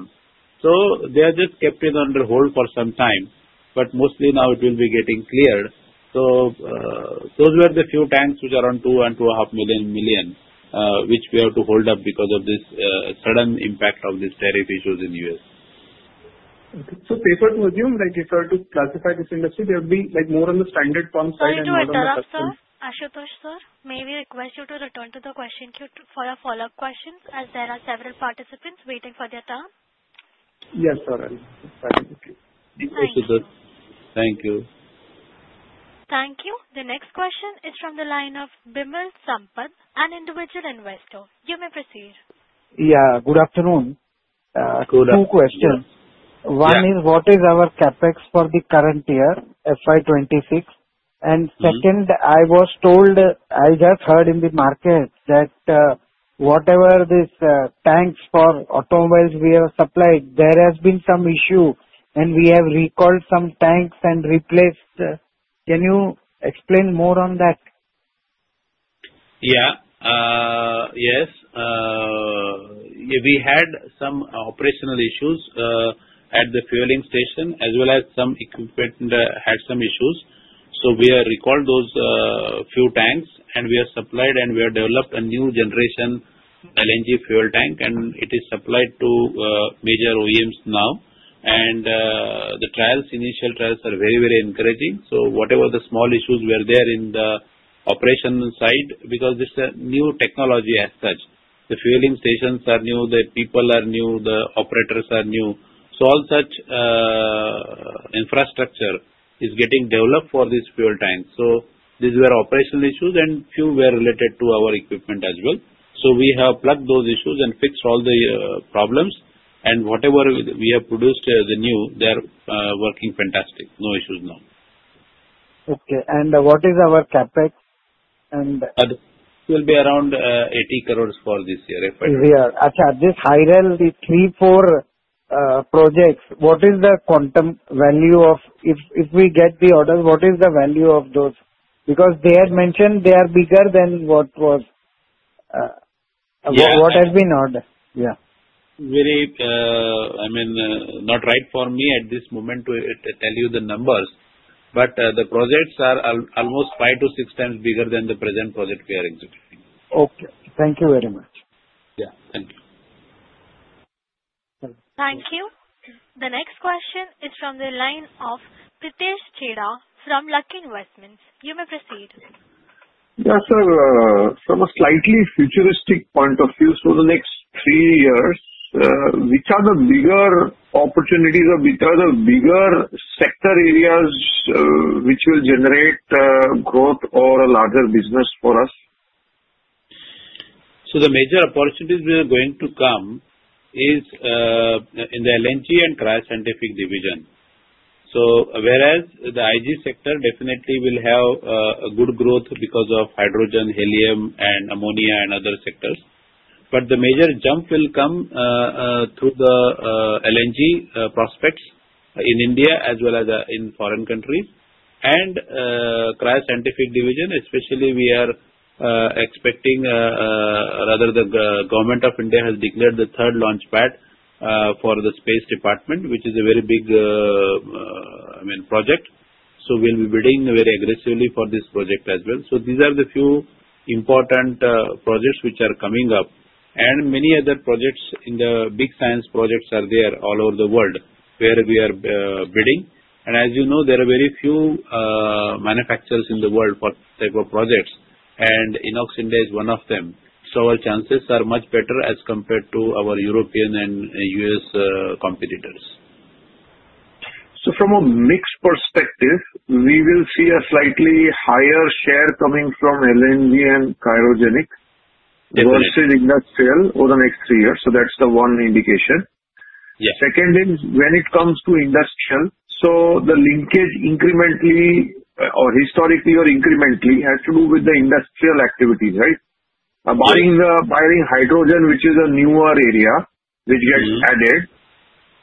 They are just kept it under hold for some time. Mostly now it will be getting cleared. Those were the few tanks which are around 2 million and 2.5 million, which we have to hold up because of this sudden impact of these tariff issues in the U.S. Okay. So paper to assume, if I were to classify this industry, they would be more on the standard pumps side and more on the customers? Sorry to interrupt sir, Ashutosh sir? May we request you to return to the question queue for a follow-up question as there are several participants waiting for their turn? Yes, sir. I'll start with you. Thank you. The next question is from the line of Bimal Sampath, an individual investor. You may proceed. Yeah. Good afternoon. Two questions. One is, what is our CapEx for the current year, FY 2026? And second, I was told, I have heard in the market that whatever these tanks for automobiles we have supplied, there has been some issue. And we have recalled some tanks and replaced. Can you explain more on that? Yeah. Yes. We had some operational issues at the fueling station as well as some equipment had some issues. We have recalled those few tanks. We have supplied and we have developed a new generation LNG fuel tank. It is supplied to major OEMs now. The initial trials are very, very encouraging. Whatever the small issues were there on the operational side, because this is a new technology as such. The fueling stations are new. The people are new. The operators are new. All such infrastructure is getting developed for these fuel tanks. These were operational issues. A few were related to our equipment as well. We have plugged those issues and fixed all the problems. Whatever we have produced, the new, they are working fantastic. No issues now. What is our CapEx? It will be around 80 crore for this year, if I remember. This Hyrel, these three, four projects, what is the quantum value of if we get the orders, what is the value of those? Because they had mentioned they are bigger than what has been ordered. Yeah. Very, I mean, not right for me at this moment to tell you the numbers. But the projects are almost five to six times bigger than the present project we are executing. Okay. Thank you very much. Yeah. Thank you. Thank you. The next question is from the line of Pritesh Chheda from Lucky Investments. You may proceed. Yeah, sir. From a slightly futuristic point of view, the next three years, which are the bigger opportunities or which are the bigger sector areas which will generate growth or a larger business for us? The major opportunities we are going to come is in the LNG and Cryo Scientific Division. Whereas the IG sector definitely will have a good growth because of hydrogen, helium, and ammonia, and other sectors. The major jump will come through the LNG prospects in India as well as in foreign countries. In the Cryo Scientific Division especially, we are expecting, rather the Government of India has declared, the third launch pad for the space department, which is a very big, I mean, project. We will be bidding very aggressively for this project as well. These are the few important projects which are coming up. Many other projects in the big science projects are there all over the world where we are bidding. As you know, there are very few manufacturers in the world for this type of projects, and INOX India is one of them. Our chances are much better as compared to our European and US competitors. From a mixed perspective, we will see a slightly higher share coming from LNG and cryogenic versus industrial over the next three years. That is the one indication. Second is, when it comes to industrial, the linkage incrementally or historically or incrementally has to do with the industrial activities, right? Buying hydrogen, which is a newer area, which gets added.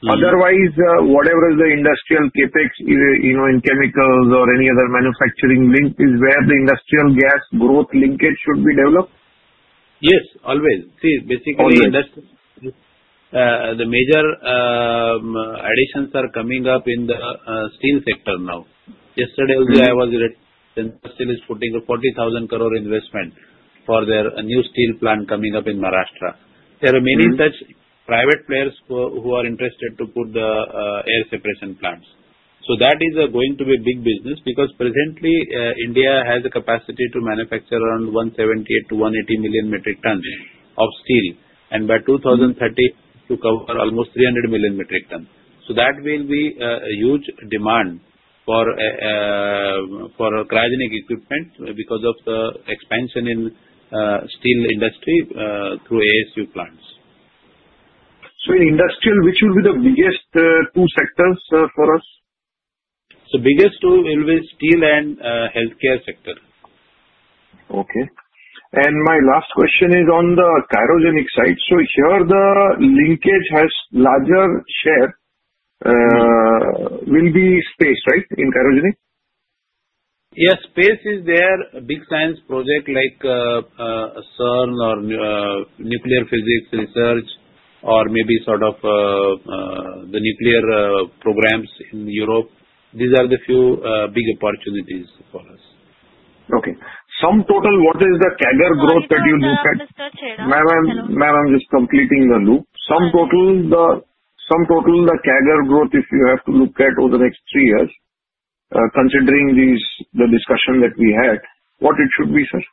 Otherwise, whatever is the industrial CapEx in chemicals or any other manufacturing link is where the industrial gas growth linkage should be developed. Yes. Always. See, basically, the major additions are coming up in the steel sector now. Yesterday, I was in Industrial is putting a 40,000 crore investment for their new steel plant coming up in Maharashtra. There are many such private players who are interested to put the air separation plants. That is going to be a big business because presently, India has a capacity to manufacture around 170 million-180 million metric tons of steel. By 2030, to cover almost 300 million metric tons. That will be a huge demand for cryogenic equipment because of the expansion in steel industry through ASU plants. In industrial, which will be the biggest two sectors for us? Biggest two will be steel and healthcare sector. Okay. My last question is on the cryogenic side. Here, the linkage has larger share. Will be space, right, in cryogenic? Yes. Space is there. Big science projects like CERN or nuclear physics research or maybe sort of the nuclear programs in Europe. These are the few big opportunities for us. Okay. Sum total, what is the CAGR growth that you look at? Ma'am, I'm just completing the loop. Sum total, the CAGR growth, if you have to look at over the next three years, considering the discussion that we had, what it should be, sir?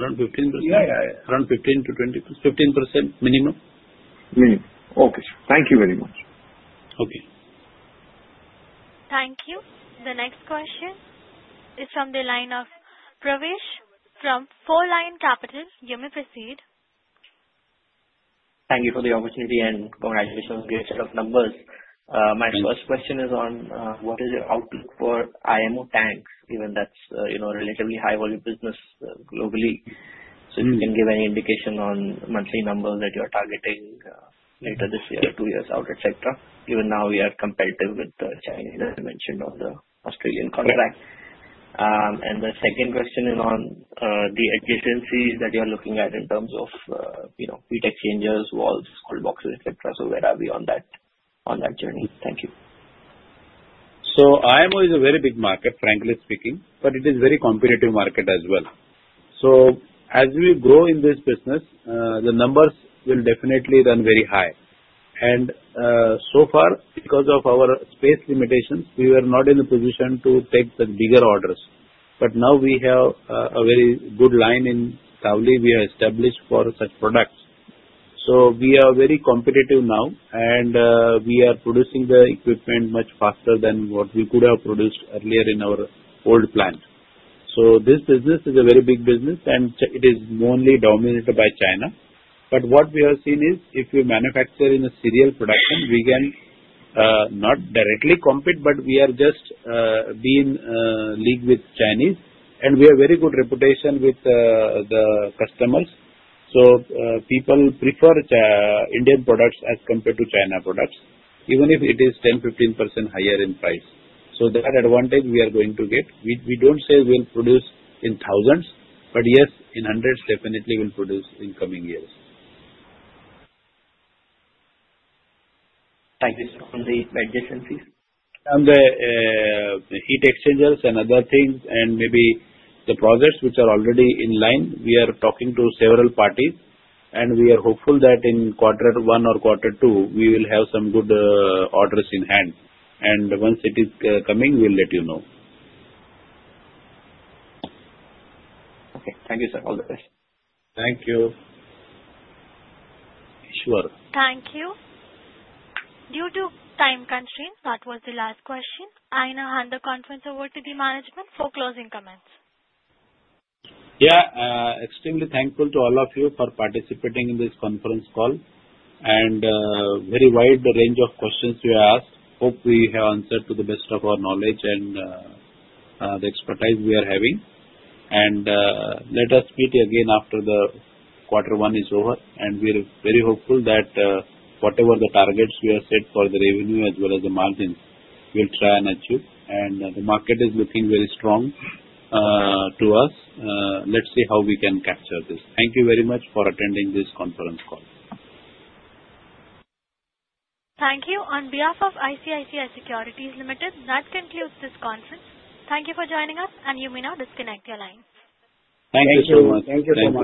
Around 15%. Yeah. Around 15%-20%. 15% minimum. Minimum. Okay. Thank you very much. Thank you. The next question is from the line of Pravesh from Fourlion Capital. You may proceed. Thank you for the opportunity and congratulations on getting a set of numbers. My first question is on what is your outlook for IMO tanks, given that's a relatively high-volume business globally? If you can give any indication on monthly numbers that you are targeting later this year, two years out, etc. Even now, we are competitive with the Chinese as mentioned on the Australian contract. The second question is on the adjacencies that you are looking at in terms of heat exchangers, walls, cool boxes, etc. Where are we on that journey? Thank you. IMO is a very big market, frankly speaking. It is a very competitive market as well. As we grow in this business, the numbers will definitely run very high. So far, because of our space limitations, we were not in a position to take the bigger orders. Now we have a very good line in Taloja we have established for such products. We are very competitive now. We are producing the equipment much faster than what we could have produced earlier in our old plant. This business is a very big business. It is mainly dominated by China. What we have seen is if we manufacture in a serial production, we cannot directly compete, but we are just being league with Chinese. We have a very good reputation with the customers. People prefer Indian products as compared to China products, even if it is 10%-15% higher in price. That advantage we are going to get. We do not say we will produce in thousands. In hundreds, definitely we will produce in coming years. Thank you, sir. On the adjacencies? On the heat exchangers and other things and maybe the projects which are already in line, we are talking to several parties. We are hopeful that in quarter one or quarter two, we will have some good orders in hand. Once it is coming, we will let you know. Thank you, sir. All the best. Thank you. Thank you. Due to time constraints, that was the last question. I now hand the conference over to the management for closing comments. Yeah. Extremely thankful to all of you for participating in this conference call. A very wide range of questions you asked. Hope we have answered to the best of our knowledge and the expertise we are having. Let us meet again after the quarter one is over. We are very hopeful that whatever the targets we have set for the revenue as well as the margins we'll try and achieve. The market is looking very strong to us. Let's see how we can capture this. Thank you very much for attending this conference call. Thank you. On behalf of ICICI Securities Limited, that concludes this conference. Thank you for joining us. You may now disconnect your line. Thank you so much.